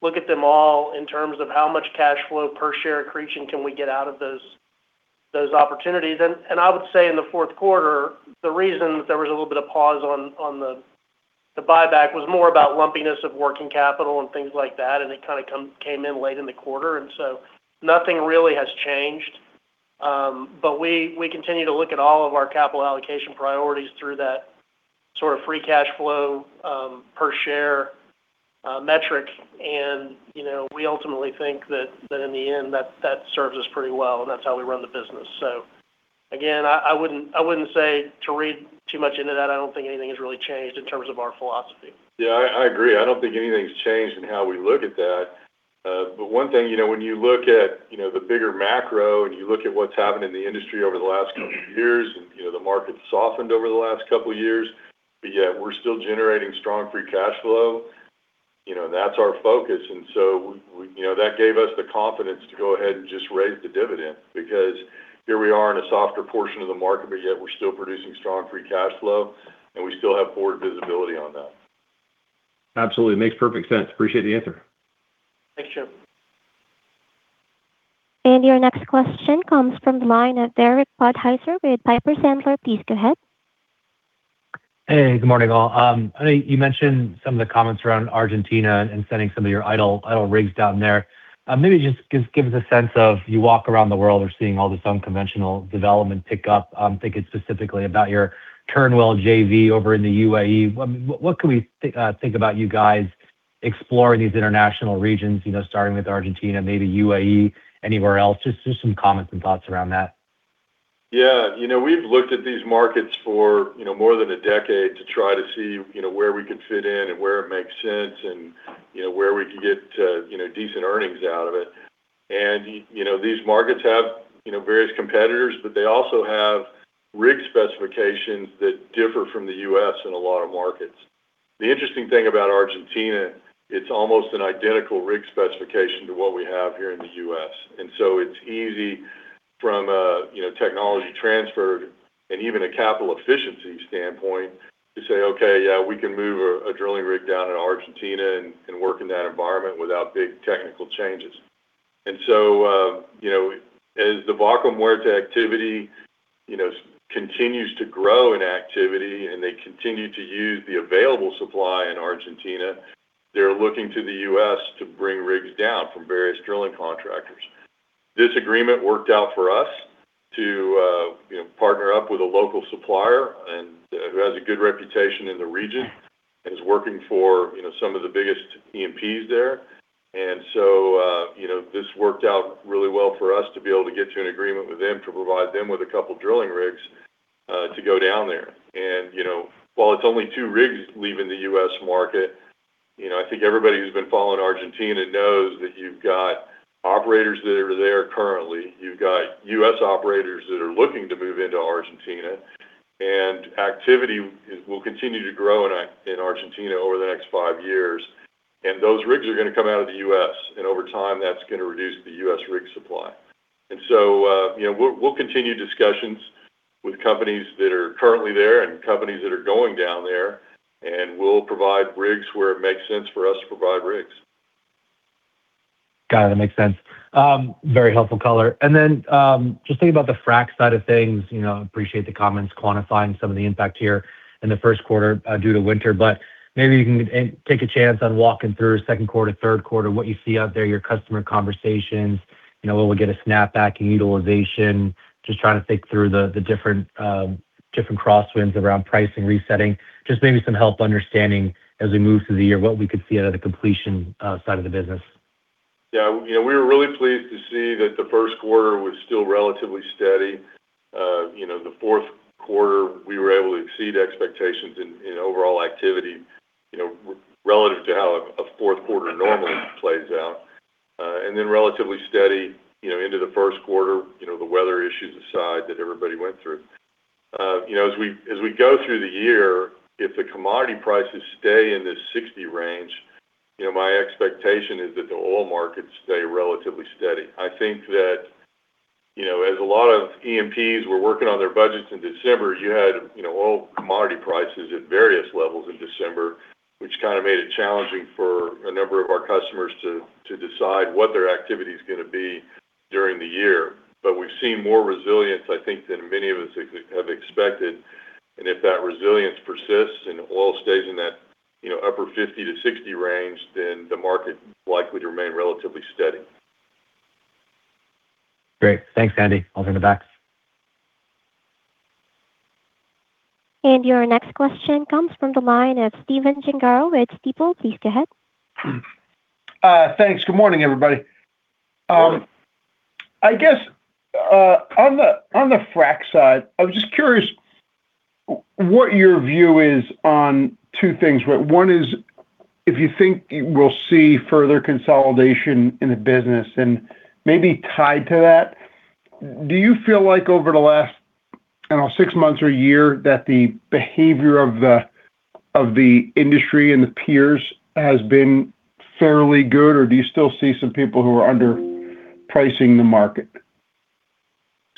look at them all in terms of how much cash flow per share accretion can we get out of those opportunities. And I would say in the fourth quarter, the reason there was a little bit of pause on the buyback was more about lumpiness of working capital and things like that, and it kinda came in late in the quarter, and so nothing really has changed. But we continue to look at all of our capital allocation priorities through that sort of free cash flow per share metric. And, you know, we ultimately think that in the end that serves us pretty well, and that's how we run the business. So again, I wouldn't say to read too much into that. I don't think anything has really changed in terms of our philosophy. Yeah, I agree. I don't think anything's changed in how we look at that. But one thing, you know, when you look at, you know, the bigger macro, and you look at what's happened in the industry over the last couple years, and, you know, the market softened over the last couple of years, but yet we're still generating strong free cash flow. You know, that's our focus, and so, we, you know, that gave us the confidence to go ahead and just raise the dividend. Because here we are in a softer portion of the market, but yet we're still producing strong free cash flow, and we still have forward visibility on that. Absolutely. Makes perfect sense. Appreciate the answer. Thanks, Jim. Your next question comes from the line of Derek Podhaizer with Piper Sandler. Please go ahead. Hey, good morning, all. I know you mentioned some of the comments around Argentina and sending some of your idle, idle rigs down there. Maybe just give us a sense of you walk around the world, we're seeing all this unconventional development pick up. Thinking specifically about your Turnwell JV over in the UAE. What can we think about you guys exploring these international regions, you know, starting with Argentina, maybe UAE, anywhere else? Just some comments and thoughts around that. Yeah, you know, we've looked at these markets for, you know, more than a decade to try to see, you know, where we can fit in and where it makes sense and, you know, where we can get, you know, decent earnings out of it. And, you know, these markets have, you know, various competitors, but they also have rig specifications that differ from the U.S. in a lot of markets. The interesting thing about Argentina, it's almost an identical rig specification to what we have here in the U.S. And so it's easy from a, you know, technology transfer and even a capital efficiency standpoint to say, "Okay, yeah, we can move a drilling rig down in Argentina and work in that environment without big technical changes." And so, you know, as the Vaca Muerta activity, you know, continues to grow in activity, and they continue to use the available supply in Argentina, they're looking to the U.S. to bring rigs down from various drilling contractors. This agreement worked out for us to, you know, partner up with a local supplier and who has a good reputation in the region and is working for, you know, some of the biggest E&Ps there. And so, you know, this worked out really well for us to be able to get to an agreement with them to provide them with a couple drilling rigs, to go down there. And, you know, while it's only two rigs leaving the U.S. market, you know, I think everybody who's been following Argentina knows that you've got operators that are there currently. You've got U.S. operators that are looking to move into Argentina, and activity will continue to grow in, in Argentina over the next five years. And those rigs are gonna come out of the U.S., and over time, that's gonna reduce the U.S. rig supply. And so, you know, we'll continue discussions with companies that are currently there and companies that are going down there, and we'll provide rigs where it makes sense for us to provide rigs. Got it. That makes sense. Very helpful color. And then, just thinking about the frac side of things, you know, appreciate the comments, quantifying some of the impact here in the first quarter, due to winter, but maybe you can take a chance on walking through second quarter, third quarter, what you see out there, your customer conversations, you know, will we get a snapback in utilization? Just trying to think through the different crosswinds around pricing resetting. Just maybe some help understanding as we move through the year, what we could see out of the completion, side of the business. Yeah, you know, we were really pleased to see that the first quarter was still relatively steady. You know, the fourth quarter, we were able to exceed expectations in overall activity, you know, relative to how a fourth quarter normally plays out. And then relatively steady, you know, into the first quarter, you know, the weather issues aside that everybody went through. You know, as we go through the year, if the commodity prices stay in this $60 range, you know, my expectation is that the oil market stay relatively steady. I think that, you know, as a lot of E&Ps were working on their budgets in December, you had, you know, oil commodity prices at various levels in December. which kind of made it challenging for a number of our customers to decide what their activity is gonna be during the year. But we've seen more resilience, I think, than many of us have expected. And if that resilience persists and oil stays in that, you know, upper $50-$60 range, then the market will likely to remain relatively steady. Great. Thanks, Andy. I'll turn it back. Your next question comes from the line of Stephen Gengaro with Stifel. Please go ahead. Thanks. Good morning, everybody. I guess, on the, on the frac side, I was just curious what your view is on two things. One is, if you think we'll see further consolidation in the business, and maybe tied to that, do you feel like over the last, I don't know, six months or a year, that the behavior of the, of the industry and the peers has been fairly good, or do you still see some people who are underpricing the market?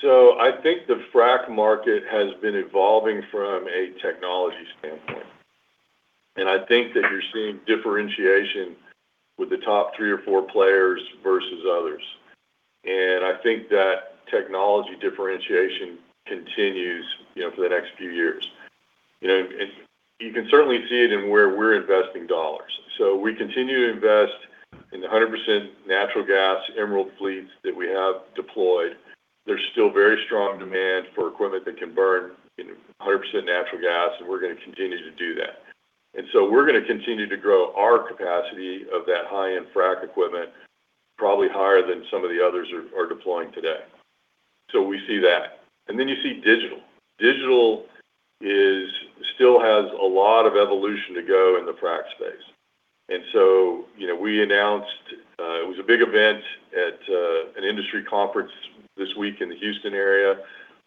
So I think the frac market has been evolving from a technology standpoint. And I think that you're seeing differentiation with the top three or four players versus others. And I think that technology differentiation continues, you know, for the next few years. You know, and you can certainly see it in where we're investing dollars. So we continue to invest in the 100% natural gas Emerald fleets that we have deployed. There's still very strong demand for equipment that can burn in 100% natural gas, and we're gonna continue to do that. And so we're gonna continue to grow our capacity of that high-end frac equipment, probably higher than some of the others are deploying today. So we see that. And then you see Digital. Digital still has a lot of evolution to go in the frac space. And so, you know, we announced, it was a big event at, an industry conference this week in the Houston area,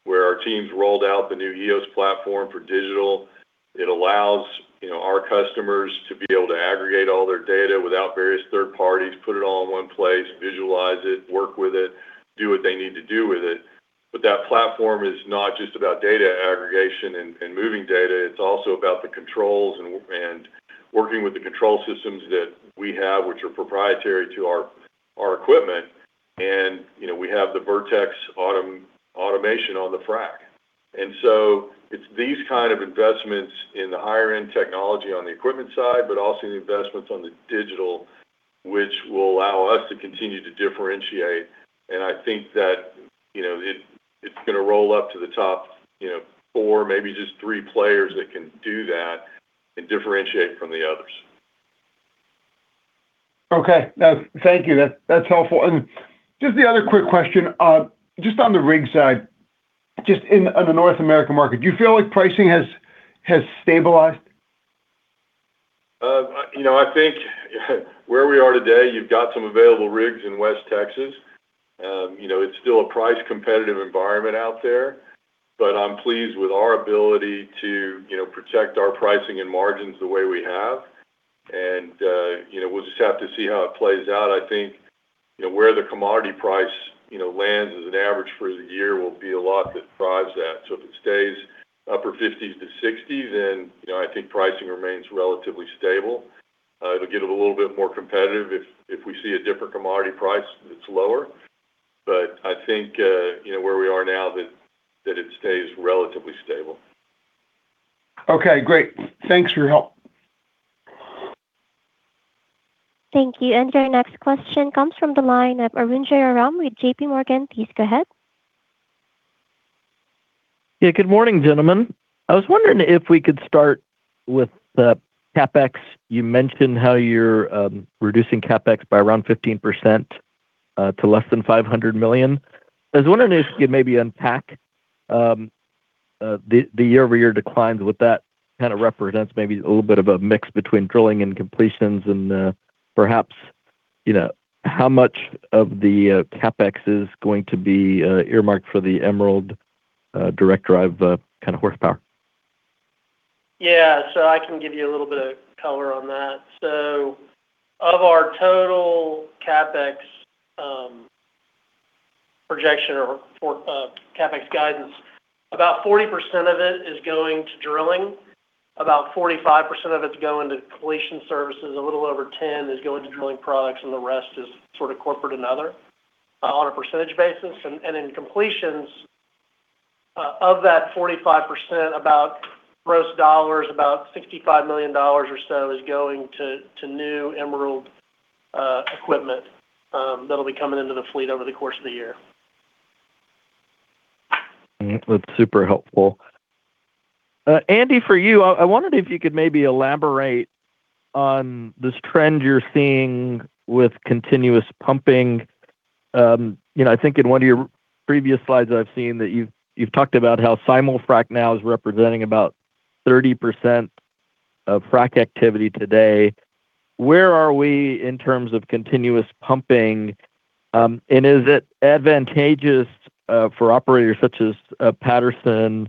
where our teams rolled out the new eos platform for Digital. It allows, you know, our customers to be able to aggregate all their data without various third parties, put it all in one place, visualize it, work with it, do what they need to do with it. But that platform is not just about data aggregation and moving data, it's also about the controls and working with the control systems that we have, which are proprietary to our equipment. And, you know, we have the Vertex automation on the frac. And so it's these kind of investments in the higher-end technology on the equipment side, but also the investments on the Digital, which will allow us to continue to differentiate. I think that, you know, it's gonna roll up to the top four, maybe just three players that can do that and differentiate from the others. Okay. Thank you. That's, that's helpful. And just the other quick question, just on the rig side, on the North American market, do you feel like pricing has, has stabilized? You know, I think, where we are today, you've got some available rigs in West Texas. You know, it's still a price competitive environment out there, but I'm pleased with our ability to, you know, protect our pricing and margins the way we have. You know, we'll just have to see how it plays out. I think, you know, where the commodity price, you know, lands as an average for the year will be a lot that drives that. So if it stays upper $50s-$60s, then, you know, I think pricing remains relatively stable. It'll get a little bit more competitive if we see a different commodity price that's lower. But I think, you know, where we are now, that it stays relatively stable. Okay, great. Thanks for your help. Thank you. And your next question comes from the line of Arun Jayaram with JPMorgan. Please go ahead. Yeah, good morning, gentlemen. I was wondering if we could start with the CapEx. You mentioned how you're reducing CapEx by around 15%, to less than $500 million. I was wondering if you could maybe unpack the year-over-year declines, what that kinda represents, maybe a little bit of a mix between drilling and completions, and perhaps, you know, how much of the CapEx is going to be earmarked for the Emerald direct drive kind of horsepower? Yeah, so I can give you a little bit of color on that. So of our total CapEx, projection or for CapEx guidance, about 40% of it is going to drilling, about 45% of it is going to completion services, a little over 10 is going to drilling products, and the rest is sort of corporate and other, on a percentage basis. And in completions, of that 45%, about gross dollars, about $65 million or so is going to new Emerald equipment, that'll be coming into the fleet over the course of the year. That's super helpful. Andy, for you, I wondered if you could maybe elaborate on this trend you're seeing with continuous pumping. You know, I think in one of your previous slides, I've seen that you've talked about how Simul-Frac now is representing about 30% of frac activity today. Where are we in terms of continuous pumping? And is it advantageous for operators such as Patterson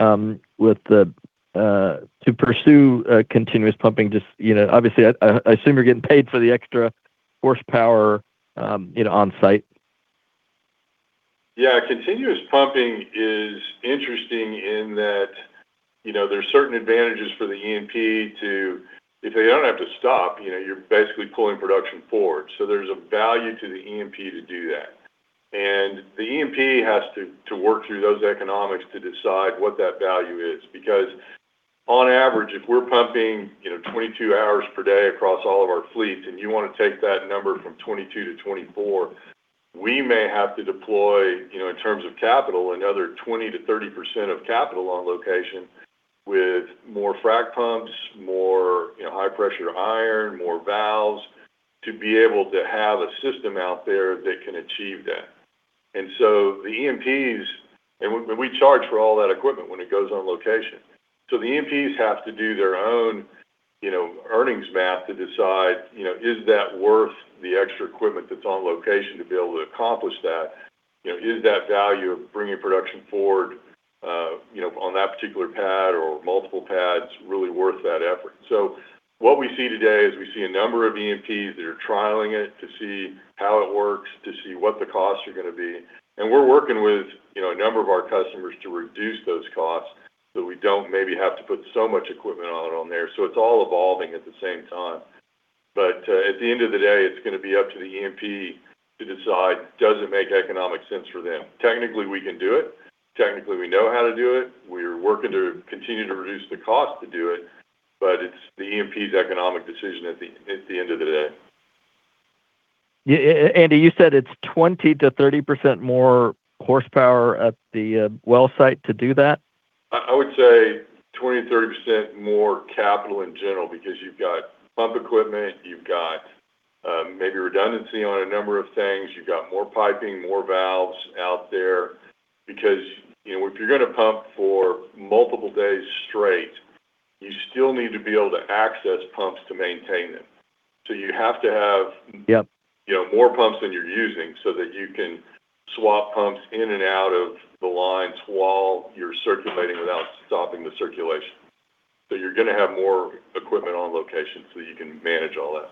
with the to pursue continuous pumping? Just, you know, obviously, I assume you're getting paid for the extra horsepower, you know, on site. ...Yeah, continuous pumping is interesting in that, you know, there are certain advantages for the E&P to-- if they don't have to stop, you know, you're basically pulling production forward. So there's a value to the E&P to do that. And the E&P has to, to work through those economics to decide what that value is. Because on average, if we're pumping, you know, 22 hours per day across all of our fleets, and you want to take that number from 22 to 24, we may have to deploy, you know, in terms of capital, another 20%-30% of capital on location with more frac pumps, more, you know, high-pressure iron, more valves, to be able to have a system out there that can achieve that. And so the E&Ps-- and we, we charge for all that equipment when it goes on location. So the E&Ps have to do their own, you know, earnings math to decide, you know, is that worth the extra equipment that's on location to be able to accomplish that? You know, is that value of bringing production forward, you know, on that particular pad or multiple pads, really worth that effort? So what we see today is we see a number of E&Ps that are trialing it to see how it works, to see what the costs are gonna be. And we're working with, you know, a number of our customers to reduce those costs, so we don't maybe have to put so much equipment on it on there. So it's all evolving at the same time. But, at the end of the day, it's gonna be up to the E&P to decide, does it make economic sense for them? Technically, we can do it. Technically, we know how to do it. We're working to continue to reduce the cost to do it, but it's the E&P's economic decision at the end of the day. Yeah, Andy, you said it's 20%-30% more horsepower at the well site to do that? I, I would say 20%-30% more capital in general, because you've got pump equipment, you've got, maybe redundancy on a number of things, you've got more piping, more valves out there. Because, you know, if you're gonna pump for multiple days straight, you still need to be able to access pumps to maintain them. So you have to have- Yep... you know, more pumps than you're using so that you can swap pumps in and out of the lines while you're circulating without stopping the circulation. So you're gonna have more equipment on location so you can manage all that.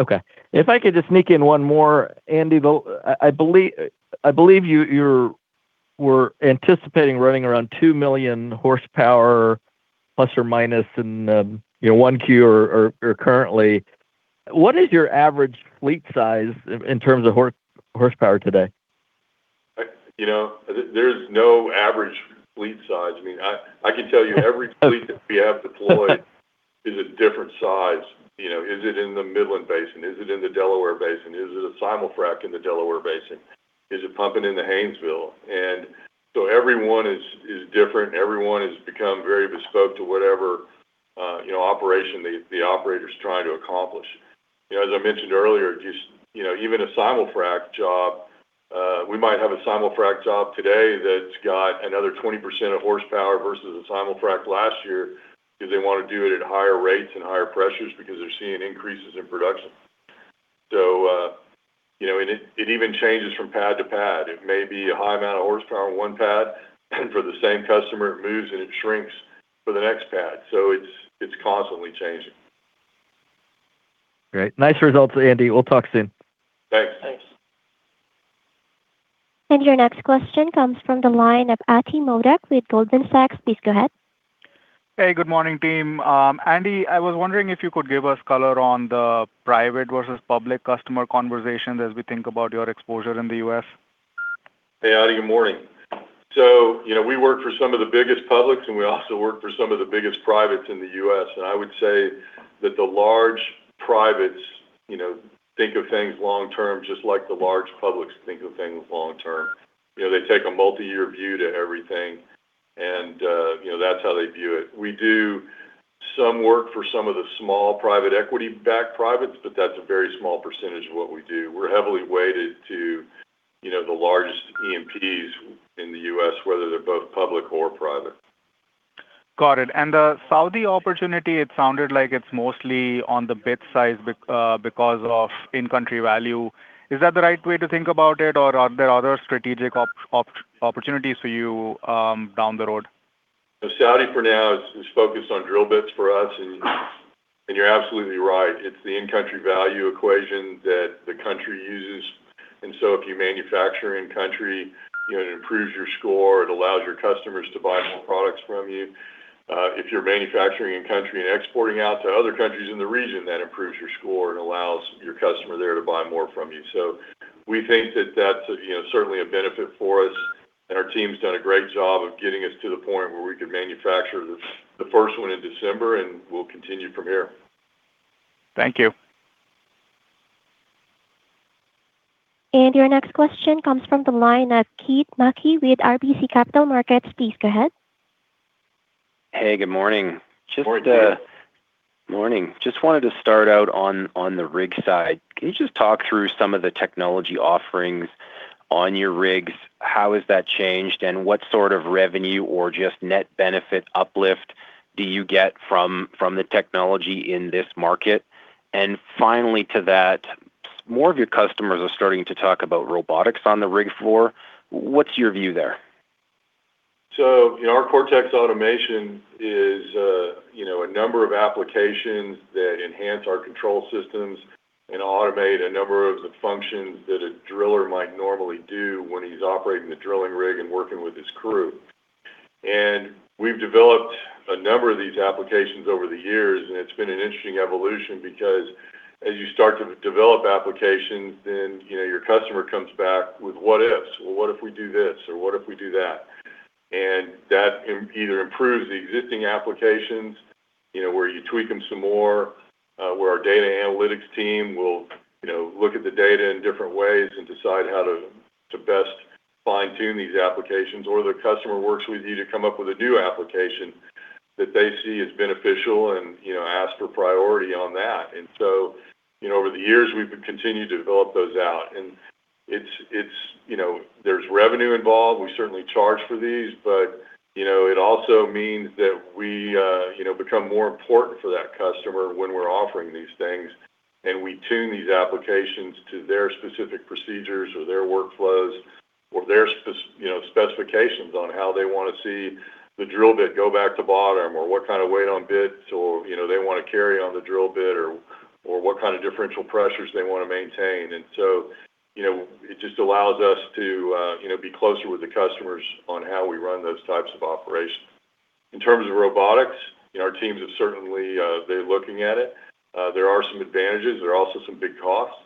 Okay. If I could just sneak in one more, Andy, though, I believe you were anticipating running around 2 million horsepower ± in, you know, 1Q or currently. What is your average fleet size in terms of horsepower today? You know, there's no average fleet size. I mean, I can tell you every fleet that we have deployed is a different size. You know, is it in the Midland Basin? Is it in the Delaware Basin? Is it a Simul-Frac in the Delaware Basin? Is it pumping in the Haynesville? And so every one is different. Every one has become very bespoke to whatever you know operation the operator is trying to accomplish. You know, as I mentioned earlier, just you know, even a Simul-frac job, we might have a Simul-frac job today that's got another 20% of horsepower versus a Simul-Frac last year, because they want to do it at higher rates and higher pressures because they're seeing increases in production. So, you know, and it even changes from pad to pad. It may be a high amount of horsepower on one pad, and for the same customer, it moves and it shrinks for the next pad. So it's, it's constantly changing. Great. Nice results, Andy. We'll talk soon. Thanks. Thanks. Your next question comes from the line of Ati Modak with Goldman Sachs. Please go ahead. Hey, good morning, team. Andy, I was wondering if you could give us color on the private versus public customer conversations as we think about your exposure in the U.S.? Hey, Ati, good morning. So, you know, we work for some of the biggest publics, and we also work for some of the biggest privates in the U.S.. And I would say that the large privates, you know, think of things long term, just like the large publics think of things long term. You know, they take a multi-year view to everything, and, you know, that's how they view it. We do some work for some of the small private equity-backed privates, but that's a very small percentage of what we do. We're heavily weighted to, you know, the largest E&Ps in the US, whether they're both public or private. Got it. And the Saudi opportunity, it sounded like it's mostly on the bit side because of in-country value. Is that the right way to think about it, or are there other strategic opportunities for you down the road? The Saudi, for now, is focused on drill bits for us, and you're absolutely right. It's the in-country value equation that the country uses. And so if you manufacture in country, you know, it improves your score, it allows your customers to buy more products from you. If you're manufacturing in country and exporting out to other countries in the region, that improves your score and allows your customer there to buy more from you. So we think that that's, you know, certainly a benefit for us, and our team's done a great job of getting us to the point where we can manufacture the first one in December, and we'll continue from here. Thank you. Your next question comes from the line of Keith Mackey with RBC Capital Markets. Please go ahead. Hey, good morning. Good morning to you. Morning. Just wanted to start out on, on the rig side. Can you just talk through some of the technology offerings on your rigs? How has that changed, and what sort of revenue or just net benefit uplift do you get from, from the technology in this market? And finally, to that, more of your customers are starting to talk about robotics on the rig floor. What's your view there? ...So, you know, our Cortex automation is, you know, a number of applications that enhance our control systems and automate a number of the functions that a driller might normally do when he's operating the drilling rig and working with his crew. And we've developed a number of these applications over the years, and it's been an interesting evolution because as you start to develop applications, then, you know, your customer comes back with what ifs. Well, what if we do this, or what if we do that?" And that either improves the existing applications, you know, where you tweak them some more, where our data analytics team will, you know, look at the data in different ways and decide how to best fine-tune these applications, or the customer works with you to come up with a new application that they see as beneficial and, you know, ask for priority on that. And so, you know, over the years, we've continued to develop those out, and it's, you know, there's revenue involved. We certainly charge for these, but, you know, it also means that we, you know, become more important for that customer when we're offering these things. And we tune these applications to their specific procedures or their workflows or their spec, you know, specifications on how they wanna see the drill bit go back to bottom, or what kind of weight on bits or, you know, they want to carry on the drill bit, or, or what kind of differential pressures they want to maintain. And so, you know, it just allows us to, you know, be closer with the customers on how we run those types of operations. In terms of robotics, our teams have certainly, they're looking at it. There are some advantages. There are also some big costs,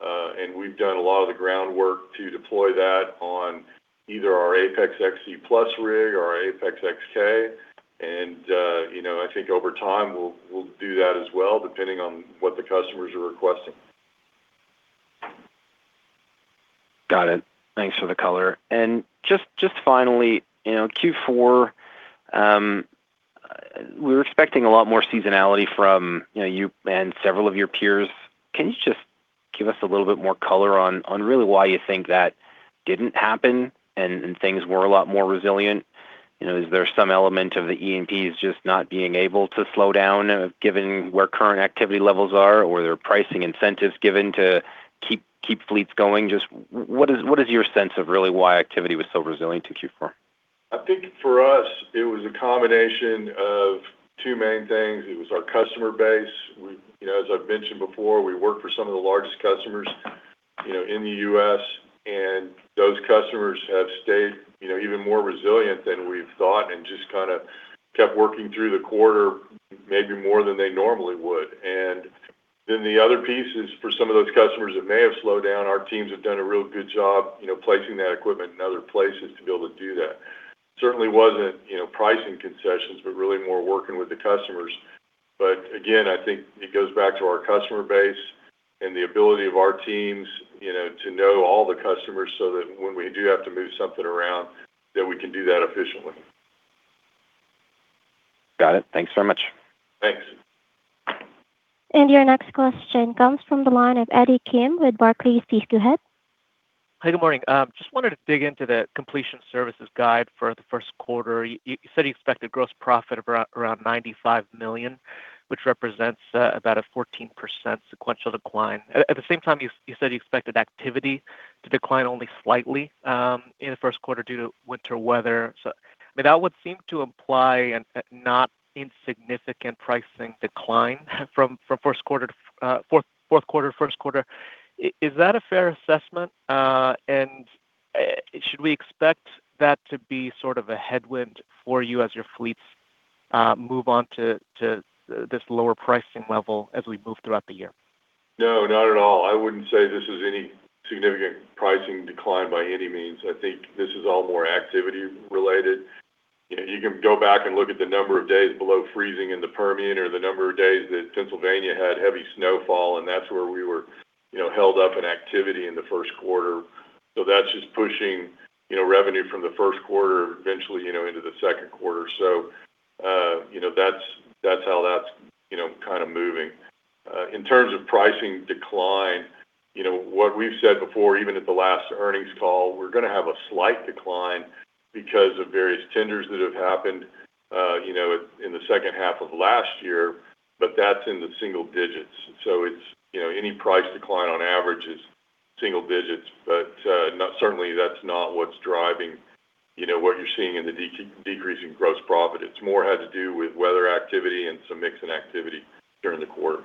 and we've done a lot of the groundwork to deploy that on either our APEX XC+ rig or our APEX XK. You know, I think over time, we'll, we'll do that as well, depending on what the customers are requesting. Got it. Thanks for the color. And just, just finally, you know, Q4, we were expecting a lot more seasonality from, you know, you and several of your peers. Can you just give us a little bit more color on, on really why you think that didn't happen and, and things were a lot more resilient? You know, is there some element of the E&Ps just not being able to slow down, given where current activity levels are, or there are pricing incentives given to keep, keep fleets going? Just what is, what is your sense of really why activity was so resilient in Q4? I think for us, it was a combination of two main things. It was our customer base. We, you know, as I've mentioned before, we work for some of the largest customers, you know, in the U.S., and those customers have stayed, you know, even more resilient than we've thought and just kinda kept working through the quarter, maybe more than they normally would. And then the other piece is for some of those customers that may have slowed down, our teams have done a real good job, you know, placing that equipment in other places to be able to do that. Certainly wasn't, you know, pricing concessions, but really more working with the customers. But again, I think it goes back to our customer base and the ability of our teams, you know, to know all the customers so that when we do have to move something around, that we can do that efficiently. Got it. Thanks very much. Thanks. Your next question comes from the line of Eddie Kim with Barclays. Please go ahead. Hey, good morning. Just wanted to dig into the completion services guide for the first quarter. You said you expected gross profit around $95 million, which represents about a 14% sequential decline. At the same time, you said you expected activity to decline only slightly in the first quarter due to winter weather. So, I mean, that would seem to imply a not insignificant pricing decline from fourth quarter first quarter. Is that a fair assessment? And should we expect that to be sort of a headwind for you as your fleets move on to this lower pricing level as we move throughout the year? No, not at all. I wouldn't say this is any significant pricing decline by any means. I think this is all more activity related. You know, you can go back and look at the number of days below freezing in the Permian or the number of days that Pennsylvania had heavy snowfall, and that's where we were, you know, held up in activity in the first quarter. So that's just pushing, you know, revenue from the first quarter, eventually, you know, into the second quarter. So, you know, that's how that's kind of moving. In terms of pricing decline, you know, what we've said before, even at the last earnings call, we're gonna have a slight decline because of various tenders that have happened, you know, in the second half of last year, but that's in the single digits. It's, you know, any price decline on average is single digits, but certainly, that's not what's driving, you know, what you're seeing in the decrease in gross profit. It's more had to do with weather activity and some mix in activity during the quarter.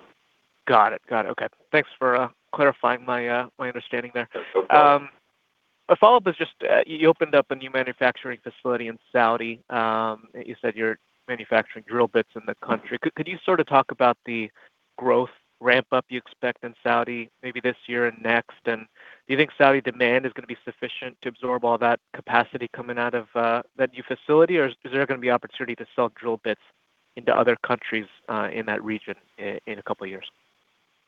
Got it. Got it. Okay. Thanks for clarifying my understanding there. That's okay. A follow-up is just, you opened up a new manufacturing facility in Saudi. You said you're manufacturing drill bits in the country. Could you sort of talk about the growth ramp-up you expect in Saudi, maybe this year and next? And do you think Saudi demand is gonna be sufficient to absorb all that capacity coming out of that new facility, or is there gonna be opportunity to sell drill bits into other countries in that region in a couple of years?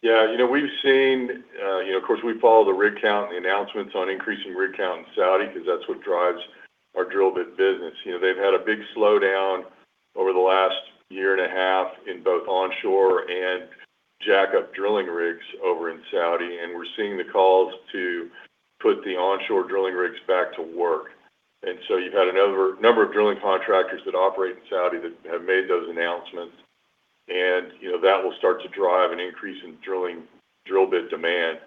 Yeah, you know, we've seen, you know, of course, we follow the rig count and the announcements on increasing rig count in Saudi because that's what drives our drill bit business. You know, they've had a big slowdown over the last year and a half in both onshore and jack-up drilling rigs over in Saudi, and we're seeing the calls to put the onshore drilling rigs back to work. And so you've had a number of drilling contractors that operate in Saudi that have made those announcements... and, you know, that will start to drive an increase in drilling, drill bit demand.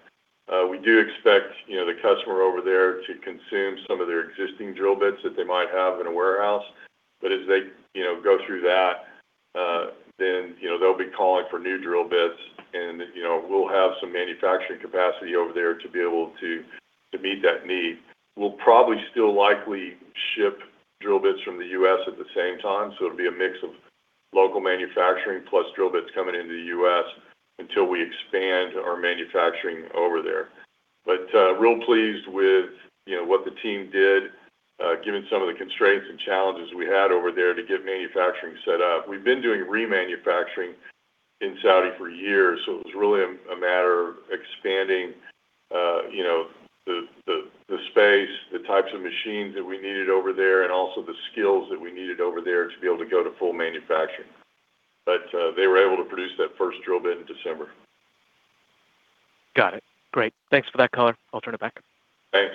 We do expect, you know, the customer over there to consume some of their existing drill bits that they might have in a warehouse. But as they, you know, go through that, then, you know, they'll be calling for new drill bits, and, you know, we'll have some manufacturing capacity over there to be able to meet that need. We'll probably still likely ship drill bits from the U.S. at the same time, so it'll be a mix of local manufacturing plus drill bits coming into the U.S. until we expand our manufacturing over there. But, real pleased with, you know, what the team did, given some of the constraints and challenges we had over there to get manufacturing set up. We've been doing remanufacturing in Saudi for years, so it was really a matter of expanding, you know, the space, the types of machines that we needed over there, and also the skills that we needed over there to be able to go to full manufacturing. But, they were able to produce that first drill bit in December. Got it. Great. Thanks for that color. I'll turn it back. Thanks.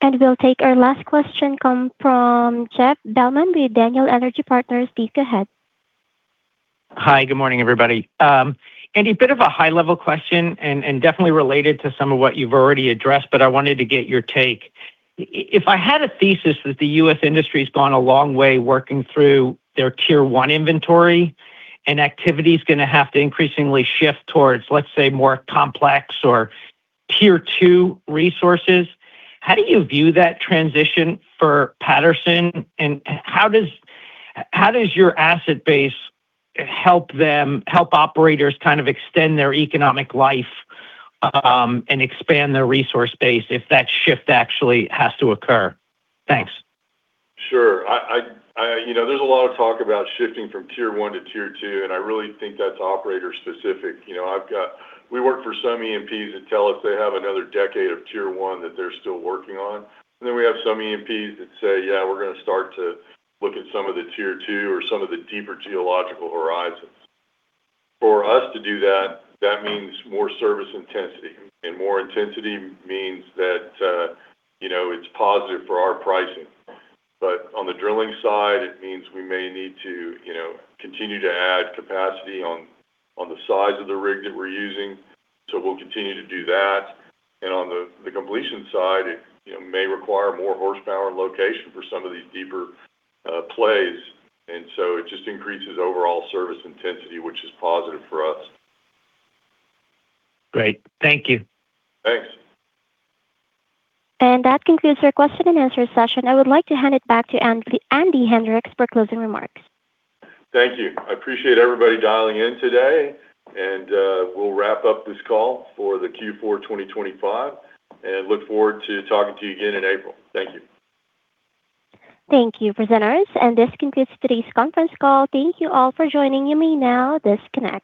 And we'll take our last question from Jeff Bellman with Daniel Energy Partners. Please go ahead. Hi, good morning, everybody. Andy, a bit of a high-level question and definitely related to some of what you've already addressed, but I wanted to get your take. If I had a thesis that the U.S. industry's gone a long way working through their Tier 1 inventory, and activity is gonna have to increasingly shift towards, let's say, more complex or Tier 2resources, how do you view that transition for Patterson? And how does your asset base help them, help operators kind of extend their economic life and expand their resource base if that shift actually has to occur? Thanks. Sure. You know, there's a lot of talk about shifting from Tier 1 to Tier 2, and I really think that's operator-specific. You know, we work for some E&Ps that tell us they have another decade of Tier 1 that they're still working on, and then we have some E&Ps that say, "Yeah, we're gonna start to look at some of the Tier 2 or some of the deeper geological horizons." For us to do that, that means more service intensity, and more intensity means that, you know, it's positive for our pricing. But on the drilling side, it means we may need to, you know, continue to add capacity on the size of the rig that we're using, so we'll continue to do that. And on the completion side, it, you know, may require more horsepower and location for some of these deeper plays. And so it just increases overall service intensity, which is positive for us. Great. Thank you. Thanks. That concludes our question and answer session. I would like to hand it back to Andy, Andy Hendricks, for closing remarks. Thank you. I appreciate everybody dialing in today, and we'll wrap up this call for the Q4 2025, and look forward to talking to you again in April. Thank you. Thank you, presenters, and this concludes today's conference call. Thank you all for joining me. Now disconnect.